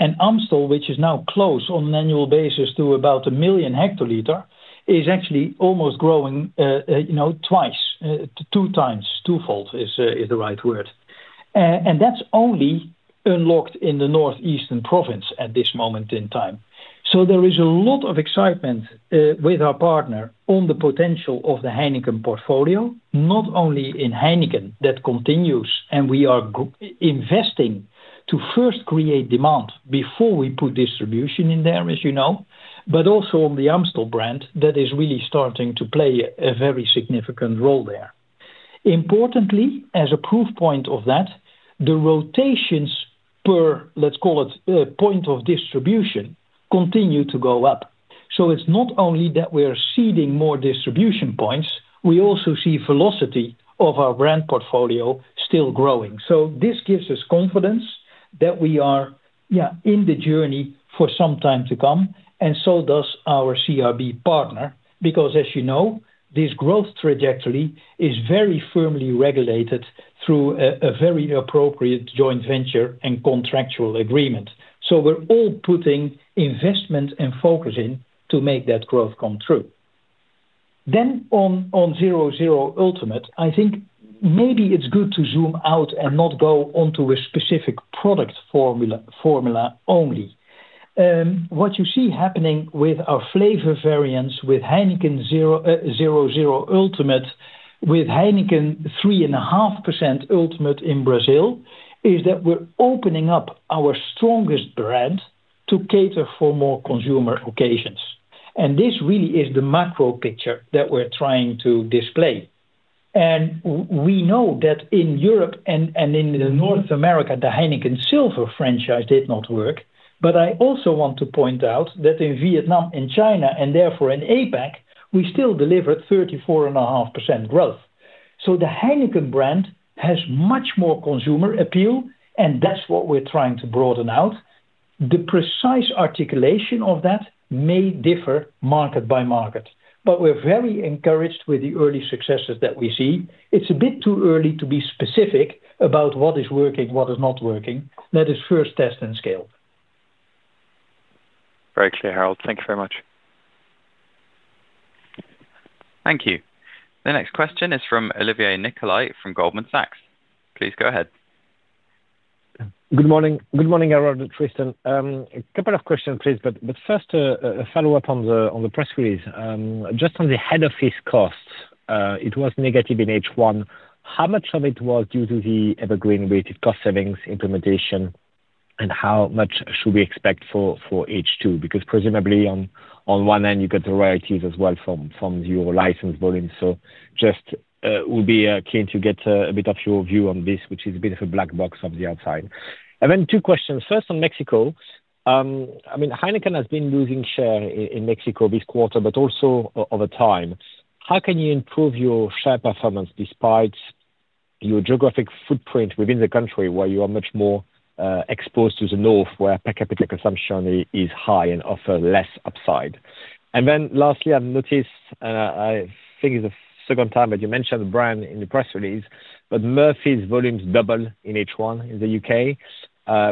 Amstel, which is now close on an annual basis to about 1 million hectoliter, is actually almost growing twice, to 2x twofold, if that's the right word. That's only unlocked in the northeastern province at this moment in time. There is a lot of excitement with our partner on the potential of the Heineken portfolio, not only in Heineken that continues, and we are investing to first create demand before we put distribution in there, as you know, but also on the Amstel brand that is really starting to play a very significant role there. Importantly, as a proof point of that, the rotations per, let's call it, point of distribution, continue to go up. It's not only that we're seeding more distribution points, we also see velocity of our brand portfolio still growing. This gives us confidence that we are in the journey for some time to come, and so does our CRB partner, because as you know, this growth trajectory is very firmly regulated through a very appropriate joint venture and contractual agreement. We're all putting investment and focus in to make that growth come true. On 0.0 Ultimate, I think maybe it's good to zoom out and not go onto a specific product formula only. What you see happening with our flavor variants, with Heineken 0.0 Ultimate, with Heineken 3.5% Ultimate in Brazil, is that we're opening up our strongest brand to cater for more consumer occasions. This really is the macro picture that we're trying to display. We know that in Europe and in North America, the Heineken Silver franchise did not work. I also want to point out that in Vietnam and China, and therefore in APAC, we still delivered 34.5% growth. The Heineken brand has much more consumer appeal, and that's what we're trying to broaden out. The precise articulation of that may differ market by market. We're very encouraged with the early successes that we see. It's a bit too early to be specific about what is working, what is not working. That is first test and scale. Very clear, Harold. Thank you very much. Thank you. The next question is from Olivier Nicolaï from Goldman Sachs. Please go ahead. Good morning, Harold and Tristan. A couple of questions, please, but first, a follow-up on the press release. Just on the head office costs, it was negative in H1. How much of it was due to the EverGreen weighted cost savings implementation, and how much should we expect for H2? Presumably on one end, you get the royalties as well from your license volume. Just would be keen to get a bit of your view on this, which is a bit of a black box from the outside. Two questions. First, on Mexico. I mean, Heineken has been losing share in Mexico this quarter but also over time. How can you improve your share performance despite your geographic footprint within the country, where you are much more exposed to the north, where per capita consumption is high and offer less upside? Lastly, I've noticed, and I think it's the second time that you mentioned the brand in the press release, but Murphy's volumes double in H1 in the U.K.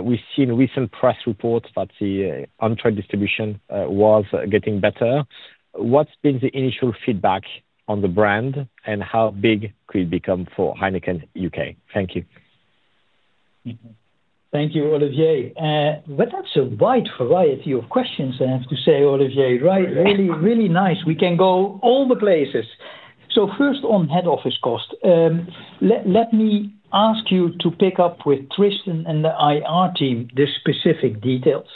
We've seen recent press reports that the on-trade distribution was getting better. What's been the initial feedback on the brand, and how big could it become for Heineken U.K.? Thank you. Thank you, Olivier. That's a wide variety of questions, I have to say, Olivier. Right? Really nice. We can go all the places. First on head office cost. Let me ask you to pick up with Tristan and the IR team the specific details.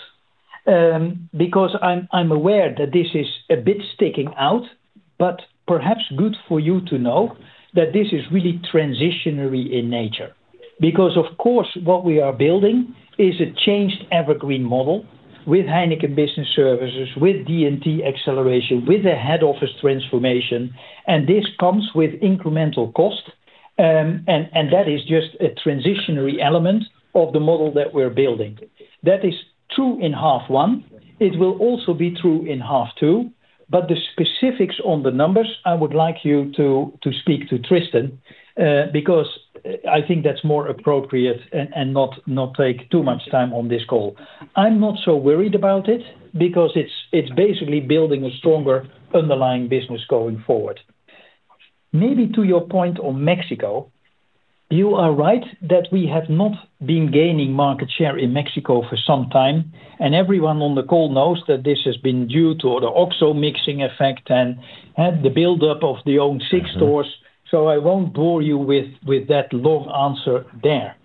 I'm aware that this is a bit sticking out, but perhaps good for you to know that this is really transitionary in nature. Of course, what we are building is a changed EverGreen model with Heineken Business Services, with D&T acceleration, with a head office transformation, and this comes with incremental cost. That is just a transitionary element of the model that we're building. That is true in half one. It will also be true in half two. The specifics on the numbers, I would like you to speak to Tristan, because I think that's more appropriate and not take too much time on this call. I'm not so worried about it. It's basically building a stronger underlying business going forward. Maybe to your point on Mexico, you are right that we have not been gaining market share in Mexico for some time. Everyone on the call knows that this has been due to the OXXO mixing effect and the build-up of the own SIX stores. I won't bore you with that long answer there.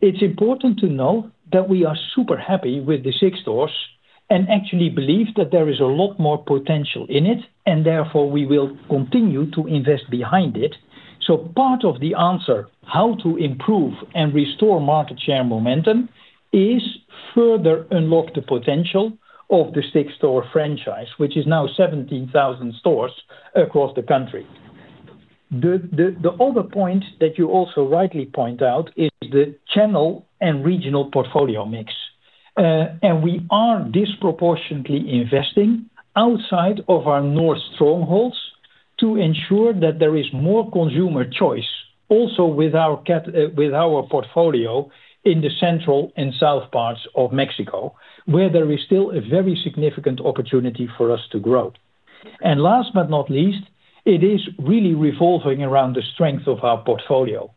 It's important to know that we are super happy with the SIX stores and actually believe that there is a lot more potential in it. Therefore, we will continue to invest behind it. Part of the answer, how to improve and restore market share momentum, is further unlock the potential of the SIX-store franchise, which is now 17,000 stores across the country. The other point that you also rightly point out is the channel and regional portfolio mix. We are disproportionately investing outside of our north strongholds to ensure that there is more consumer choice also with our portfolio in the central and south parts of Mexico, where there is still a very significant opportunity for us to grow. Last but not least, it is really revolving around the strength of our portfolio.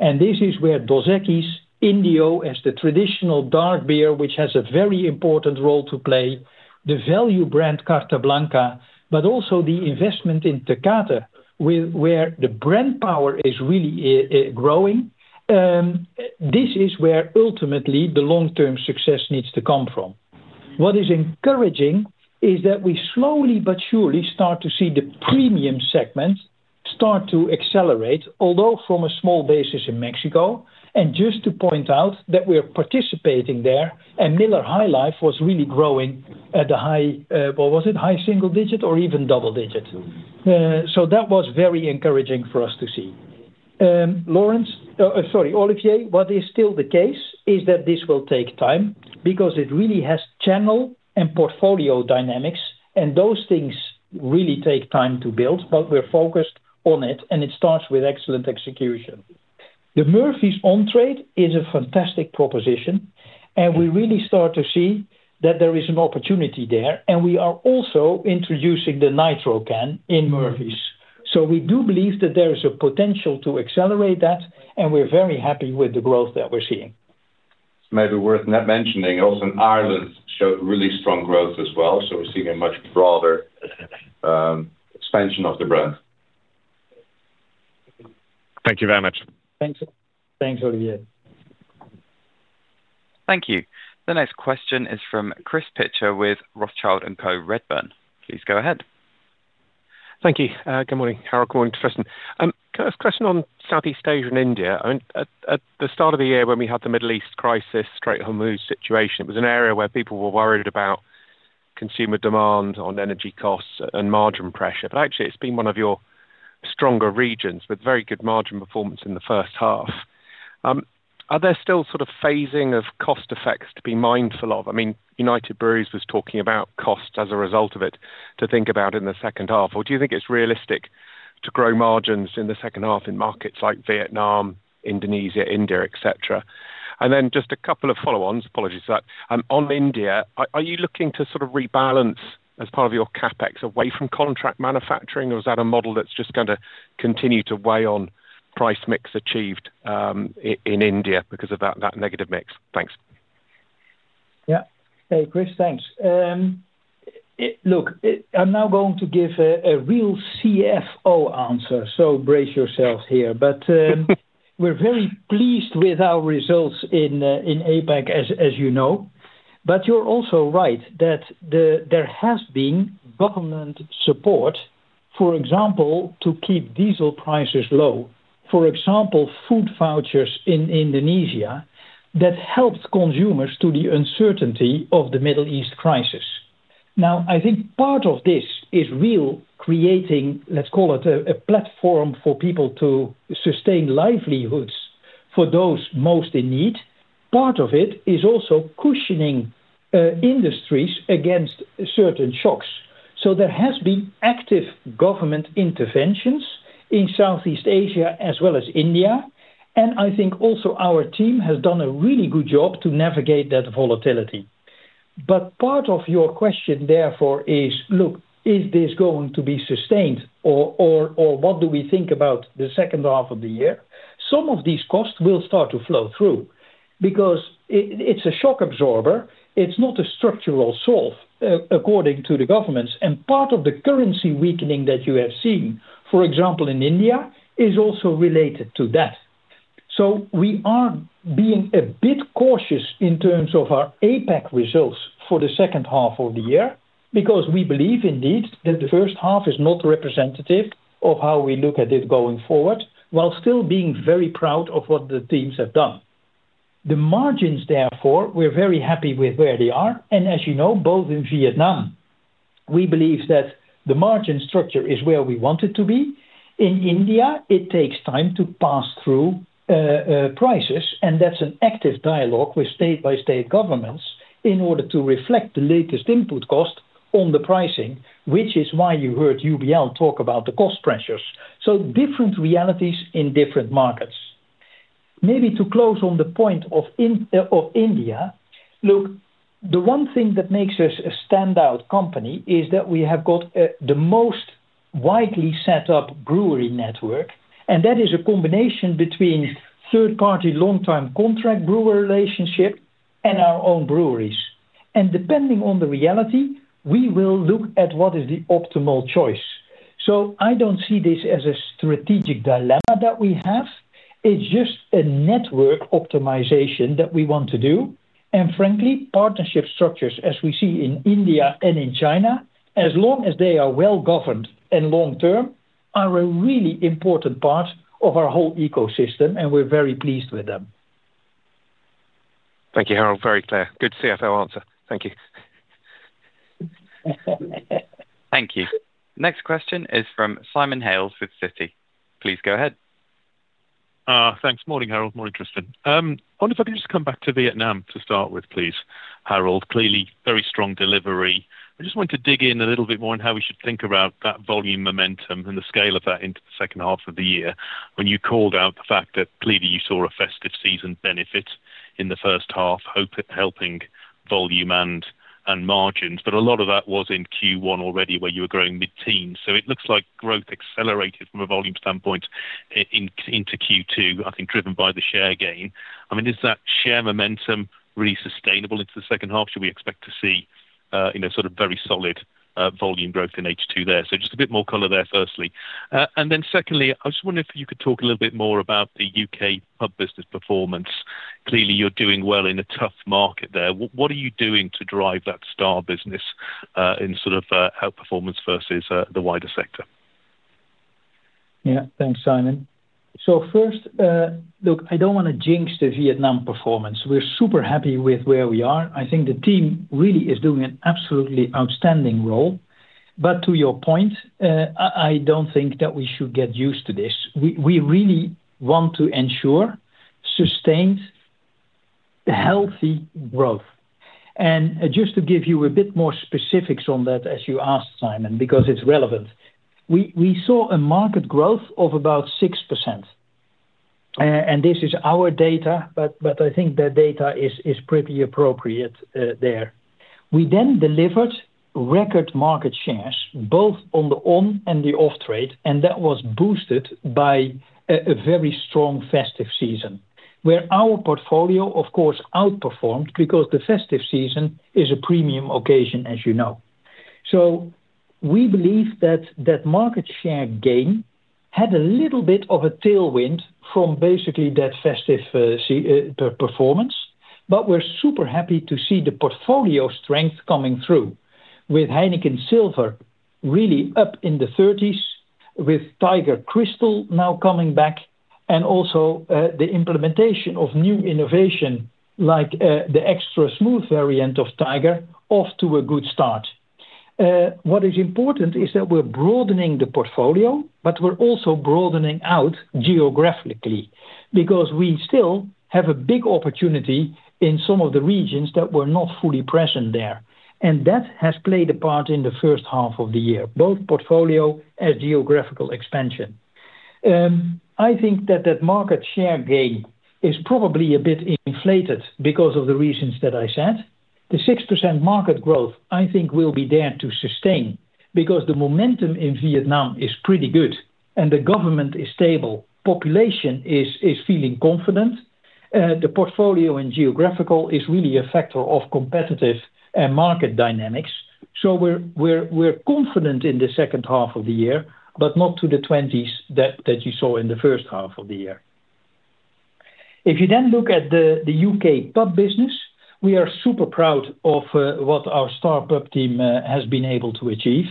This is where Dos Equis, Indio as the traditional dark beer, which has a very important role to play, the value brand Carta Blanca, but also the investment in Tecate, where the brand power is really growing. This is where ultimately the long-term success needs to come from. What is encouraging is that we slowly but surely start to see the premium segment start to accelerate, although from a small basis in Mexico. Just to point out that we're participating there. Miller High Life was really growing at the high, what was it? High single digit or even double-digit. That was very encouraging for us to see. Olivier, what is still the case is that this will take time. It really has channel and portfolio dynamics. Those things really take time to build, but we're focused on it. It starts with excellent execution. The Murphy's on-trade is a fantastic proposition, and we really start to see that there is an opportunity there. We are also introducing the Nitro can in Murphy's. We do believe that there is a potential to accelerate that. We're very happy with the growth that we're seeing. It's maybe worth mentioning also Ireland showed really strong growth as well. We're seeing a much broader expansion of the brand. Thank you very much. Thanks, Olivier. Thank you. The next question is from Chris Pitcher with Rothschild & Co Redburn. Please go ahead. Thank you. Good morning, Harold. Interesting. First question on Southeast Asia and India. At the start of the year when we had the Middle East crisis, Strait of Hormuz situation, it was an area where people were worried about consumer demand on energy costs and margin pressure. Actually, it's been one of your stronger regions with very good margin performance in the first half. Are there still sort of phasing of cost effects to be mindful of? United Breweries was talking about costs as a result of it to think about in the second half. Do you think it's realistic to grow margins in the second half in markets like Vietnam, Indonesia, India, et cetera? Just a couple of follow-ons. Apologies for that. On India, are you looking to sort of rebalance as part of your CapEx away from contract manufacturing? Is that a model that's just going to continue to weigh on price mix achieved in India because of that negative mix? Thanks. Yeah. Hey, Chris. Thanks. Look, I'm now going to give a real CFO answer. Brace yourselves here. We're very pleased with our results in APAC, as you know. You're also right that there has been government support, for example, to keep diesel prices low. For example, food vouchers in Indonesia that helped consumers to the uncertainty of the Middle East crisis. I think part of this is real creating, let's call it, a platform for people to sustain livelihoods for those most in need. Part of it is also cushioning industries against certain shocks. There has been active government interventions in Southeast Asia as well as India, and I think also our team has done a really good job to navigate that volatility. Part of your question, therefore, is, look, is this going to be sustained or what do we think about the second half of the year? Some of these costs will start to flow through because it's a shock absorber. It's not a structural solve according to the governments. Part of the currency weakening that you have seen, for example, in India, is also related to that. We are being a bit cautious in terms of our APAC results for the second half of the year because we believe indeed that the first half is not representative of how we look at it going forward, while still being very proud of what the teams have done. The margins, therefore, we're very happy with where they are, and as you know, both in Vietnam, we believe that the margin structure is where we want it to be. In India, it takes time to pass through prices, and that's an active dialogue with state-by-state governments in order to reflect the latest input cost on the pricing. Which is why you heard UBL talk about the cost pressures. Different realities in different markets. Maybe to close on the point of India, look, the one thing that makes us a standout company is that we have got the most widely set-up brewery network, and that is a combination between third-party long-term contract brewer relationship and our own breweries. Depending on the reality, we will look at what is the optimal choice. I don't see this as a strategic dilemma that we have. It's just a network optimization that we want to do. Frankly, partnership structures, as we see in India and in China, as long as they are well-governed and long-term, are a really important part of our whole ecosystem, and we're very pleased with them. Thank you, Harold. Very clear. Good CFO answer. Thank you. Thank you. Next question is from Simon Hales with Citi. Please go ahead. Thanks. Morning, Harold. Morning Tristan. I wonder if I could just come back to Vietnam to start with, please, Harold. Clearly very strong delivery. I just wanted to dig in a little bit more on how we should think about that volume momentum and the scale of that into the second half of the year. When you called out the fact that clearly you saw a festive season benefit in the first half, helping volume and margins. A lot of that was in Q1 already, where you were growing mid-teens. It looks like growth accelerated from a volume standpoint into Q2, I think driven by the share gain. Is that share momentum really sustainable into the second half? Should we expect to see sort of very solid volume growth in H2 there? Just a bit more color there, firstly. Secondly, I just wonder if you could talk a little bit more about the U.K. pub business performance. Clearly, you're doing well in a tough market there. What are you doing to drive that star business in sort of outperformance versus the wider sector? Yeah. Thanks, Simon. First, look, I don't want to jinx the Vietnam performance. We're super happy with where we are. I think the team really is doing an absolutely outstanding role. To your point, I don't think that we should get used to this. We really want to ensure sustained healthy growth. Just to give you a bit more specifics on that, as you asked, Simon, because it's relevant. We saw a market growth of about 6%. This is our data, but I think the data is pretty appropriate there. We delivered record market shares, both on the on and the off-trade, and that was boosted by a very strong festive season, where our portfolio, of course, outperformed because the festive season is a premium occasion, as you know. We believe that that market share gain had a little bit of a tailwind from basically that festive performance. We're super happy to see the portfolio strength coming through with Heineken Silver really up in the 30s, with Tiger Crystal now coming back, and also the implementation of new innovation, like the extra smooth variant of Tiger off to a good start. What is important is that we're broadening the portfolio, but we're also broadening out geographically, because we still have a big opportunity in some of the regions that we're not fully present there. That has played a part in the first half of the year, both portfolio and geographical expansion. I think that that market share gain is probably a bit inflated because of the reasons that I said. The 6% market growth, I think, will be there to sustain because the momentum in Vietnam is pretty good and the government is stable. Population is feeling confident. The portfolio and geographical is really a factor of competitive and market dynamics. We're confident in the second half of the year, but not to the 20s that you saw in the first half of the year. Look at the U.K. pub business, we are super proud of what our Star Pubs team has been able to achieve.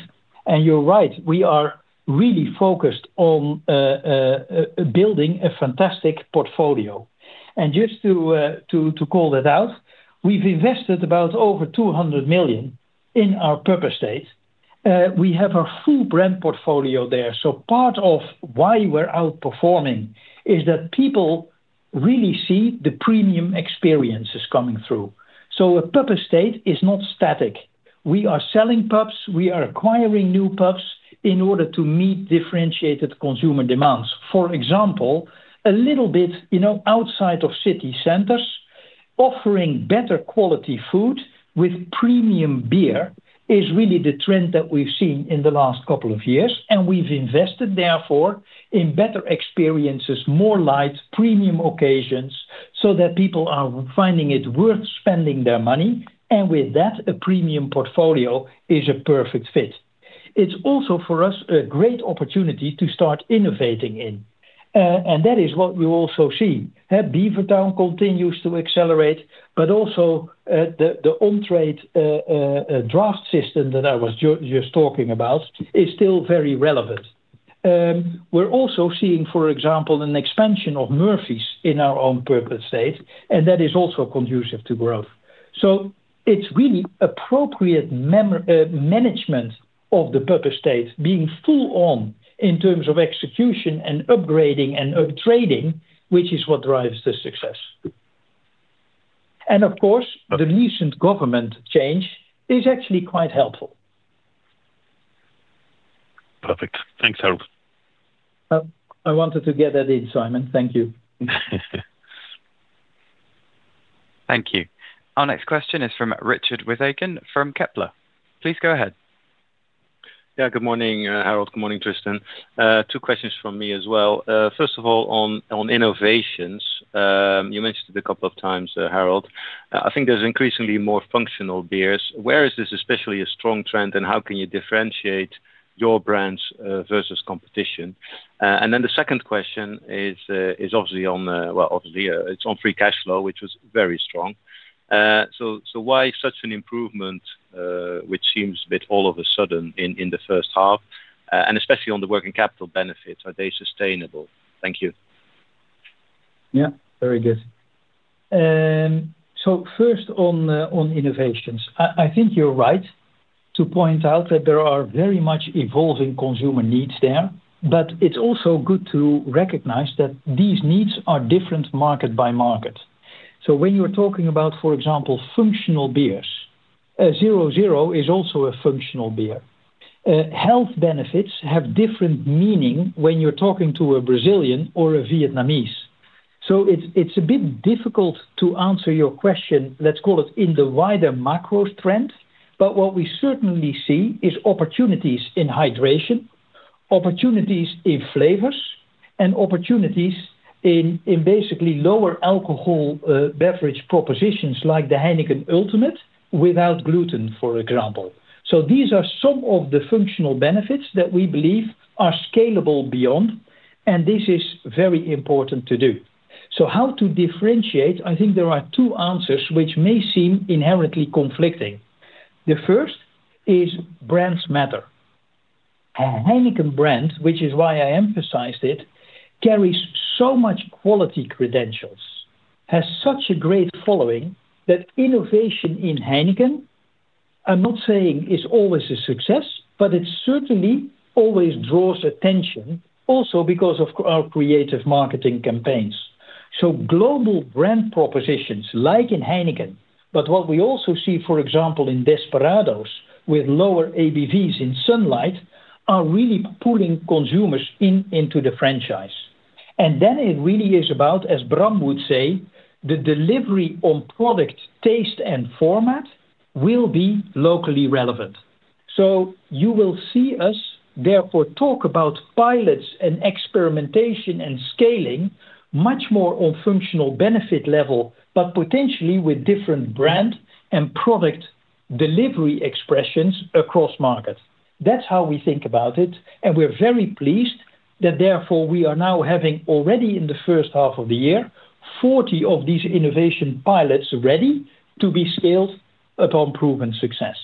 You're right, we are really focused on building a fantastic portfolio. Just to call that out, we've invested about over 200 million in our pub estate. We have a full brand portfolio there. Part of why we're outperforming is that people really see the premium experiences coming through. A pub estate is not static. We are selling pubs, we are acquiring new pubs in order to meet differentiated consumer demands. For example, a little bit outside of city centers, offering better quality food with premium beer is really the trend that we've seen in the last couple of years, and we've invested, therefore, in better experiences, more lights, premium occasions, so that people are finding it worth spending their money. With that, a premium portfolio is a perfect fit. It's also, for us, a great opportunity to start innovating in. That is what we also see. Beavertown continues to accelerate, but also, the on-trade draught system that I was just talking about is still very relevant. We're also seeing, for example, an expansion of Murphy's in our on-pub estate, and that is also conducive to growth. It's really appropriate management of the pub estate being full on in terms of execution and upgrading and up-trading, which is what drives the success. Of course, the recent government change is actually quite helpful. Perfect. Thanks, Harold. I wanted to get that in, Simon. Thank you. Thank you. Our next question is from Richard Withagen from Kepler. Please go ahead. Good morning, Harold. Good morning, Tristan. Two questions from me as well. First of all, on innovations. You mentioned it a couple of times, Harold. I think there's increasingly more functional beers. Where is this especially a strong trend, and how can you differentiate your brands versus competition? The second question is obviously on, well, obviously, it's on free cash flow, which was very strong. Why such an improvement, which seems a bit all of a sudden in the first half, and especially on the working capital benefits, are they sustainable? Thank you. Yeah. Very good. First on innovations. I think you're right to point out that there are very much evolving consumer needs there. It's also good to recognize that these needs are different market by market. When you're talking about, for example, functional beers, 0.0 is also a functional beer. Health benefits have different meaning when you're talking to a Brazilian or a Vietnamese. It's a bit difficult to answer your question, let's call it in the wider macro trend. What we certainly see is opportunities in hydration, opportunities in flavors, and opportunities in basically lower alcohol beverage propositions like the Heineken Ultimate without gluten, for example. These are some of the functional benefits that we believe are scalable beyond, and this is very important to do. How to differentiate, I think there are two answers which may seem inherently conflicting. The first is brands matter. A Heineken brand, which is why I emphasized it, carries so much quality credentials, has such a great following, that innovation in Heineken I'm not saying it's always a success, but it certainly always draws attention also because of our creative marketing campaigns. Global brand propositions like in Heineken, but what we also see, for example, in Desperados with lower ABV in Sunlight, are really pulling consumers into the franchise. It really is about, as Bram would say, the delivery on product taste and format will be locally relevant. You will see us therefore talk about pilots and experimentation and scaling much more on functional benefit level, but potentially with different brand and product delivery expressions across markets. That's how we think about it. We're very pleased that therefore we are now having already in the first half of the year, 40 of these innovation pilots ready to be scaled upon proven success.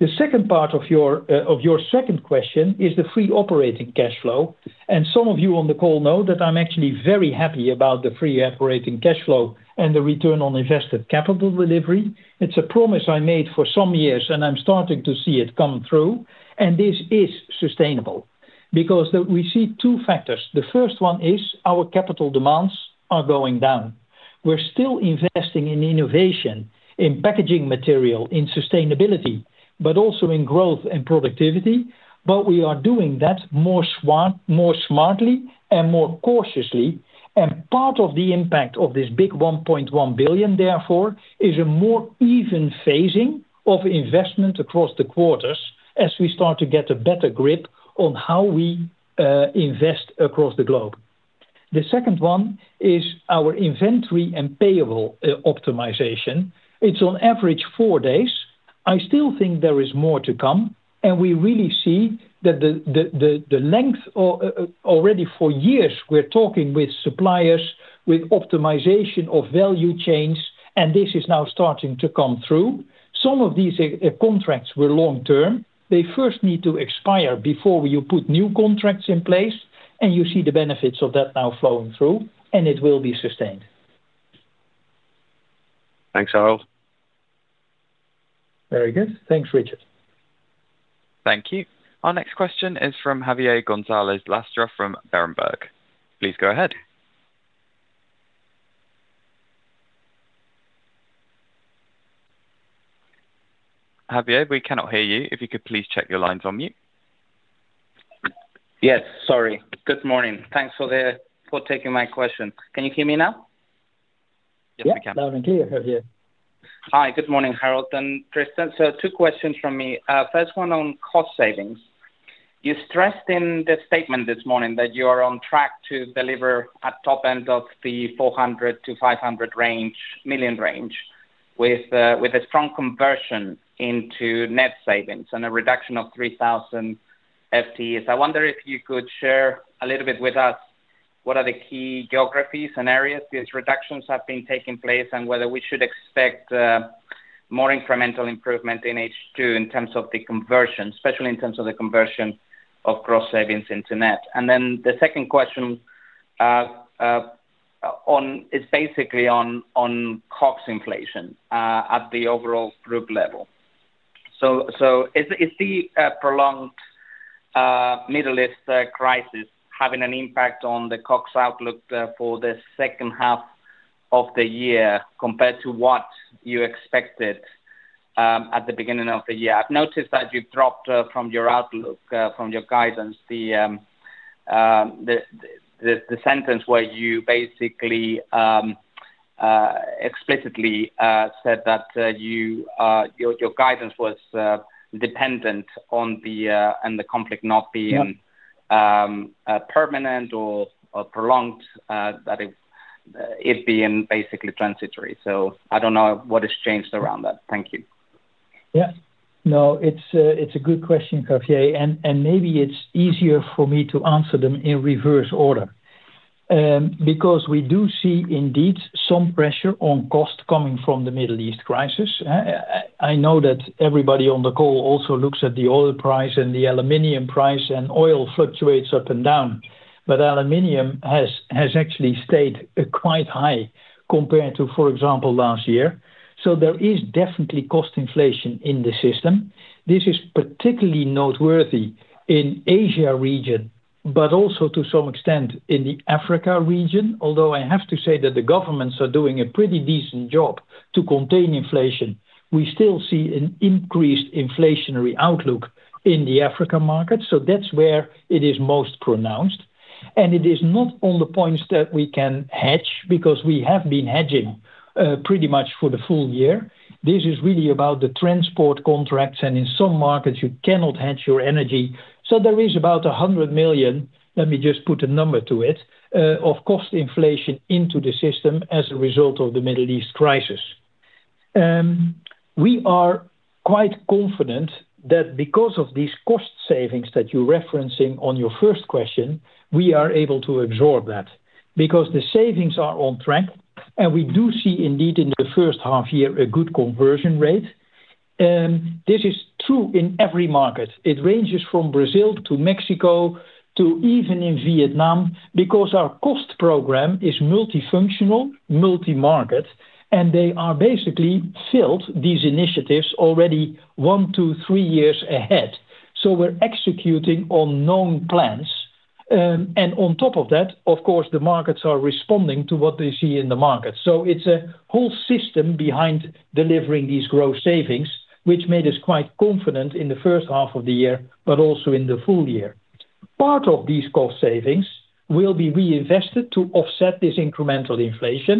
The second part of your second question is the free operating cash flow. Some of you on the call know that I'm actually very happy about the free operating cash flow and the return on invested capital delivery. It's a promise I made for some years. I'm starting to see it come through, and this is sustainable because we see two factors. The first one is our capital demands are going down. We're still investing in innovation, in packaging material, in sustainability, but also in growth and productivity. We are doing that more smartly and more cautiously. Part of the impact of this big 1.1 billion, therefore, is a more even phasing of investment across the quarters as we start to get a better grip on how we invest across the globe. The second one is our inventory and payable optimization. It's on average four days. I still think there is more to come. We really see that the length, already for years, we're talking with suppliers, with optimization of value chains, and this is now starting to come through. Some of these contracts were long-term. They first need to expire before you put new contracts in place. You see the benefits of that now flowing through, and it will be sustained. Thanks, Harold. Very good. Thanks, Richard. Thank you. Our next question is from Javier Gonzalez Lastra from Berenberg. Please go ahead. Javier, we cannot hear you. If you could please check your line's on mute. Yes, sorry. Good morning. Thanks for taking my question. Can you hear me now? Yeah. Loud and clear, Javier. Hi. Good morning, Harold and Tristan. Two questions from me. First one on cost savings. You stressed in the statement this morning that you are on track to deliver at top end of the 400 million-500 million range with a strong conversion into net savings and a reduction of 3,000 FTEs. I wonder if you could share a little bit with us what are the key geographies and areas these reductions have been taking place, and whether we should expect more incremental improvement in H2 in terms of the conversion, especially in terms of the conversion of gross savings into net. The second question is basically on COGS inflation at the overall group level. Is the prolonged Middle East crisis having an impact on the COGS outlook for the second half of the year compared to what you expected at the beginning of the year? I've noticed that you've dropped from your outlook, from your guidance, the sentence where you basically explicitly said that your guidance was dependent on the conflict not being- Yeah permanent or prolonged, that it being basically transitory. I don't know what has changed around that. Thank you. No, it's a good question, Javier, and maybe it's easier for me to answer them in reverse order. Because we do see indeed some pressure on cost coming from the Middle East crisis. I know that everybody on the call also looks at the oil price and the aluminum price, and oil fluctuates up and down. Aluminum has actually stayed quite high compared to, for example, last year. There is definitely cost inflation in the system. This is particularly noteworthy in Asia region, but also to some extent in the Africa region. Although, I have to say that the governments are doing a pretty decent job to contain inflation. We still see an increased inflationary outlook in the Africa market. That is where it is most pronounced, and it is not on the points that we can hedge, because we have been hedging pretty much for the full-year. This is really about the transport contracts, and in some markets you cannot hedge your energy. There is about 100 million, let me just put a number to it, of cost inflation into the system as a result of the Middle East crisis. We are quite confident that because of these cost savings that you are referencing on your first question, we are able to absorb that because the savings are on track, and we do see indeed in the first half year a good conversion rate. This is true in every market. It ranges from Brazil to Mexico to even in Vietnam, because our cost program is multifunctional, multi-market, and they are basically filled these initiatives already 1-3 years ahead. We are executing on known plans. On top of that, of course, the markets are responding to what they see in the market. It is a whole system behind delivering these growth savings, which made us quite confident in the first half of the year, but also in the full-year. Part of these cost savings will be reinvested to offset this incremental inflation,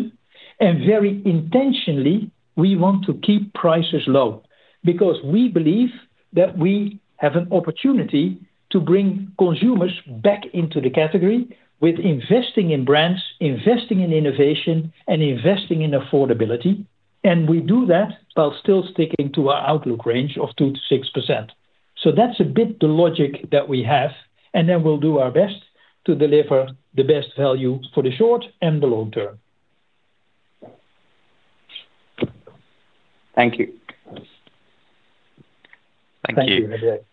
and very intentionally, we want to keep prices low because we believe that we have an opportunity to bring consumers back into the category with investing in brands, investing in innovation, and investing in affordability. We do that while still sticking to our outlook range of 2%-6%. That is a bit the logic that we have, and then we will do our best to deliver the best value for the short and the long-term. Thank you. Thank you. Thank you, Javier.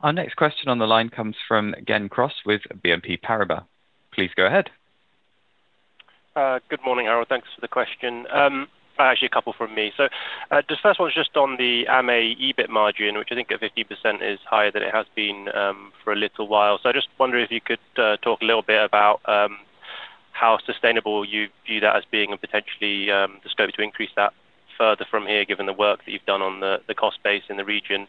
Our next question on the line comes from Gen Cross with BNP Paribas. Please go ahead. Good morning, everyone. Thanks for the question. Actually, a couple from me. The first one is just on the AME EBIT margin, which I think at 50% is higher than it has been for a little while. I just wonder if you could talk a little bit about how sustainable you view that as being and potentially the scope to increase that further from here, given the work that you've done on the cost base in the region.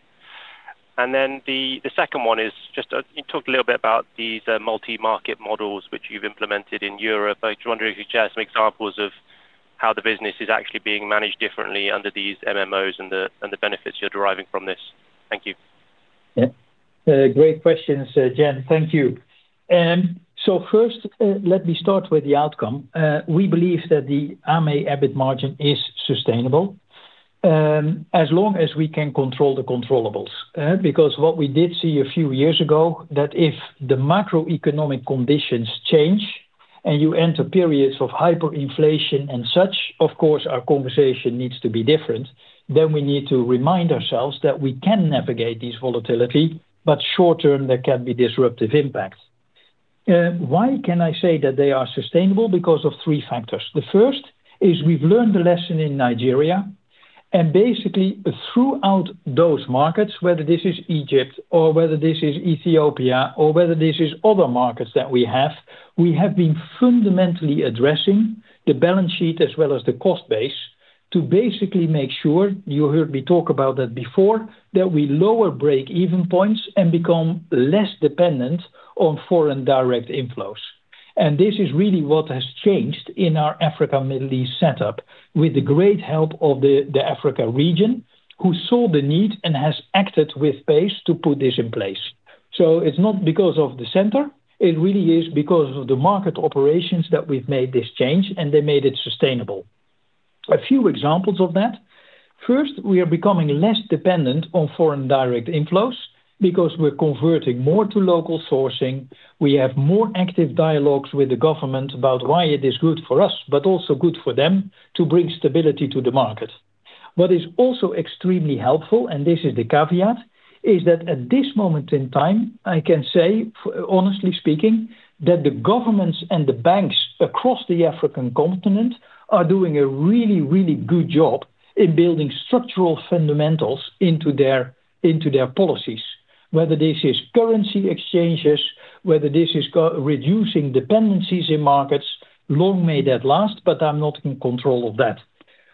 The second one is just you talked a little bit about these multi-market models, which you've implemented in Europe. I just wonder if you could share some examples of how the business is actually being managed differently under these MMOs and the benefits you're deriving from this. Thank you. Yeah. Great questions, Gen. Thank you. First, let me start with the outcome. We believe that the AME EBIT margin is sustainable, as long as we can control the controllables. What we did see a few years ago, that if the macroeconomic conditions change and you enter periods of hyperinflation and such, of course, our conversation needs to be different, we need to remind ourselves that we can navigate these volatility, but short-term, there can be disruptive impacts. Why can I say that they are sustainable? Because of three factors. The first is we've learned the lesson in Nigeria. Basically throughout those markets, whether this is Egypt or whether this is Ethiopia or whether this is other markets that we have, we have been fundamentally addressing the balance sheet as well as the cost base to basically make sure, you heard me talk about that before, that we lower break-even points and become less dependent on foreign direct inflows. This is really what has changed in our Africa, Middle East setup with the great help of the Africa region, who saw the need and has acted with pace to put this in place. It's not because of the center. It really is because of the market operations that we've made this change, and they made it sustainable. A few examples of that. First, we are becoming less dependent on foreign direct inflows because we're converting more to local sourcing. We have more active dialogues with the government about why it is good for us, but also good for them to bring stability to the market. What is also extremely helpful, and this is the caveat, is that at this moment in time, I can say, honestly speaking, that the governments and the banks across the African continent are doing a really, really good job in building structural fundamentals into their policies, whether this is currency exchanges, whether this is reducing dependencies in markets long may that last, but I'm not in control of that.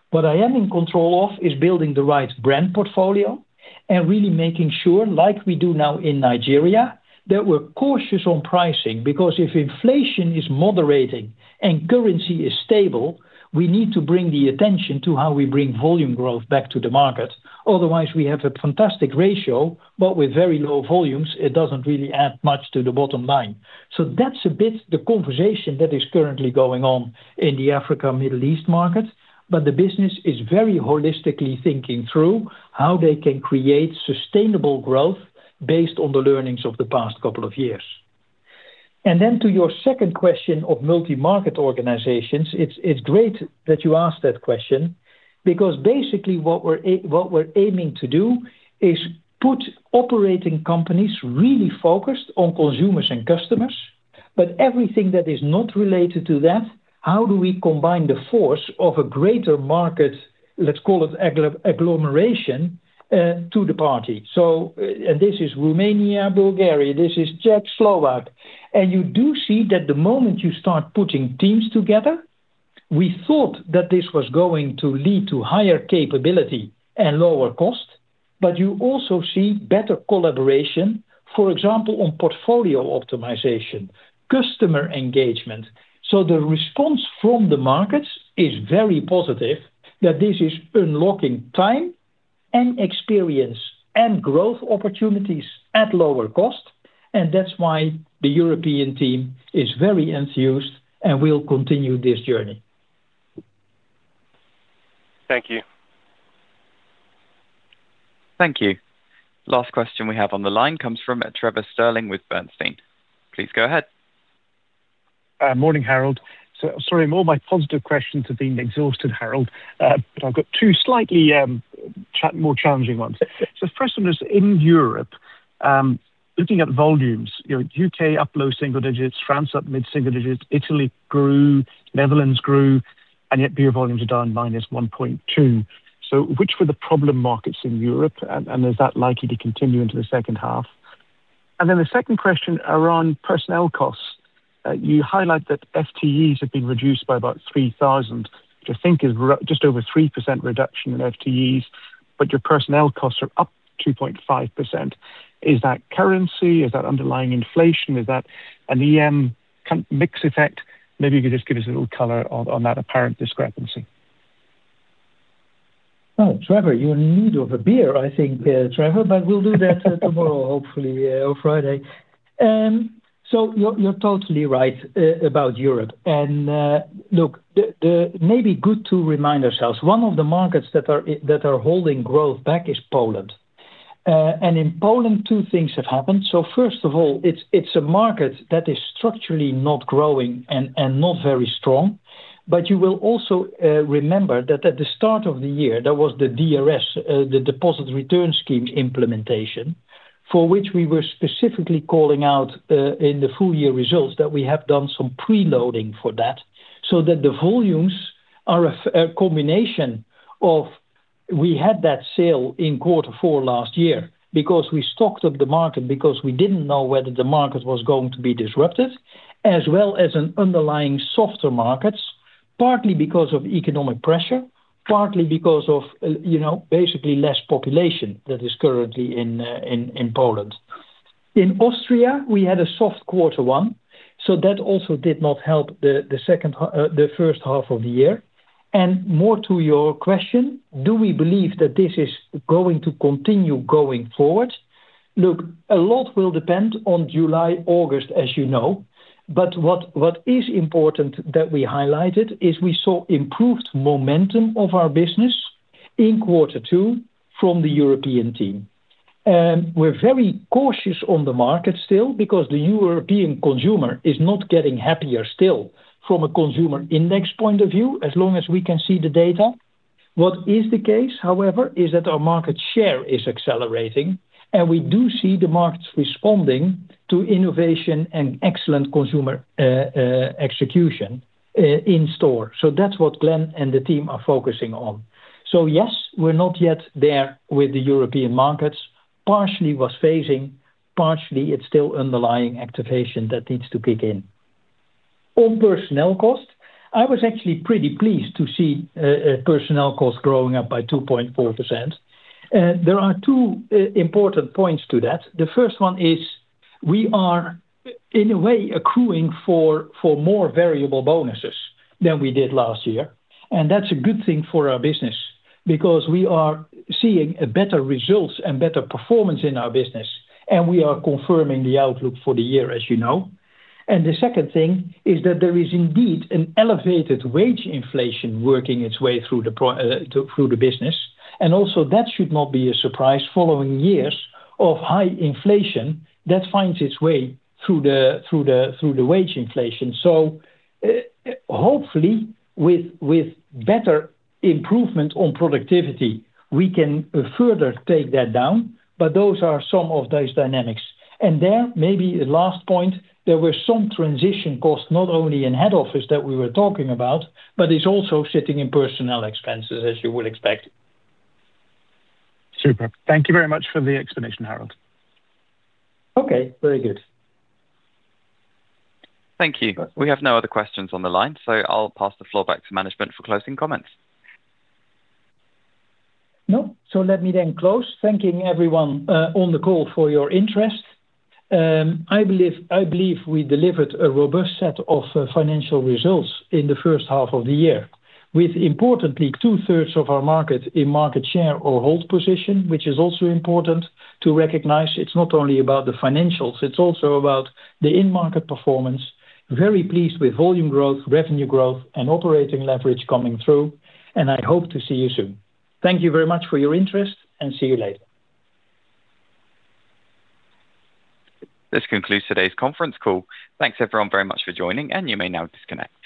What I am in control of is building the right brand portfolio and really making sure, like we do now in Nigeria, that we're cautious on pricing, because if inflation is moderating and currency is stable, we need to bring the attention to how we bring volume growth back to the market. Otherwise, we have a fantastic ratio, but with very low volumes, it doesn't really add much to the bottom line. That's a bit the conversation that is currently going on in the Africa, Middle East market, but the business is very holistically thinking through how they can create sustainable growth based on the learnings of the past couple of years. To your second question of multi-market organizations, it's great that you asked that question because basically what we're aiming to do is put operating companies really focused on consumers and customers. Everything that is not related to that, how do we combine the force of a greater market, let's call it agglomeration, to the party? This is Romania, Bulgaria, this is Czech, Slovak. You do see that the moment you start putting teams together, we thought that this was going to lead to higher capability and lower cost, but you also see better collaboration, for example, on portfolio optimization, customer engagement. The response from the markets is very positive that this is unlocking time and experience and growth opportunities at lower cost, and that's why the European team is very enthused and will continue this journey. Thank you. Thank you. Last question we have on the line comes from Trevor Stirling with Bernstein. Please go ahead Morning, Harold. Sorry, all my positive questions have been exhausted, Harold, I've got two slightly more challenging ones. The first one is in Europe, looking at volumes, U.K. up low single-digits, France up mid single digits, Italy grew, Netherlands grew, and yet beer volumes are down -1.2%. Which were the problem markets in Europe, and is that likely to continue into the second half? And then the second question around personnel costs. You highlight that FTEs have been reduced by about 3,000, which I think is just over 3% reduction in FTEs, but your personnel costs are up 2.5%. Is that currency? Is that underlying inflation? Is that an EM mix effect? Maybe you could just give us a little color on that apparent discrepancy. Trevor, you're in need of a beer, I think, Trevor, but we'll do that tomorrow, hopefully, or Friday. You're totally right about Europe. Look, maybe good to remind ourselves, one of the markets that are holding growth back is Poland. In Poland, two things have happened. First of all, it's a market that is structurally not growing and not very strong. You will also remember that at the start of the year, there was the DRS, the Deposit Return Scheme implementation, for which we were specifically calling out, in the full-year results, that we have done some preloading for that so that the volumes are a combination of, we had that sale in quarter four last year because we stocked up the market because we didn't know whether the market was going to be disrupted, as well as an underlying softer markets, partly because of economic pressure, partly because of basically less population that is currently in Poland. In Austria, we had a soft quarter one, That also did not help the first half of the year. More to your question, do we believe that this is going to continue going forward? Look, a lot will depend on July, August, as you know, but what is important that we highlighted is we saw improved momentum of our business in quarter two from the European team. We're very cautious on the market still because the European consumer is not getting happier still from a consumer index point of view, as long as we can see the data. What is the case, however, is that our market share is accelerating, and we do see the markets responding to innovation and excellent consumer execution in store. That's what Glenn and the team are focusing on. Yes, we're not yet there with the European markets. Partially was phasing, partially it's still underlying activation that needs to kick in. On personnel cost, I was actually pretty pleased to see personnel cost growing up by 2.4%. There are two important points to that. The first one is we are, in a way, accruing for more variable bonuses than we did last year. That's a good thing for our business because we are seeing better results and better performance in our business, and we are confirming the outlook for the year, as you know. The second thing is that there is indeed an elevated wage inflation working its way through the business. Also that should not be a surprise following years of high inflation that finds its way through the wage inflation. Hopefully, with better improvement on productivity, we can further take that down. Those are some of those dynamics. There, maybe a last point, there were some transition costs, not only in head office that we were talking about, but it's also sitting in personnel expenses, as you would expect. Super. Thank you very much for the explanation, Harold. Okay, very good. Thank you. We have no other questions on the line so I'll pass the floor back to management for closing comments. No. Let me then close, thanking everyone on the call for your interest. I believe we delivered a robust set of financial results in the first half of the year with, importantly, 2/3 of our market in market share or hold position, which is also important to recognize. It's not only about the financials, it's also about the in-market performance. Very pleased with volume growth, revenue growth, and operating leverage coming through, and I hope to see you soon. Thank you very much for your interest, and see you later. This concludes today's conference call. Thanks, everyone, very much for joining, and you may now disconnect.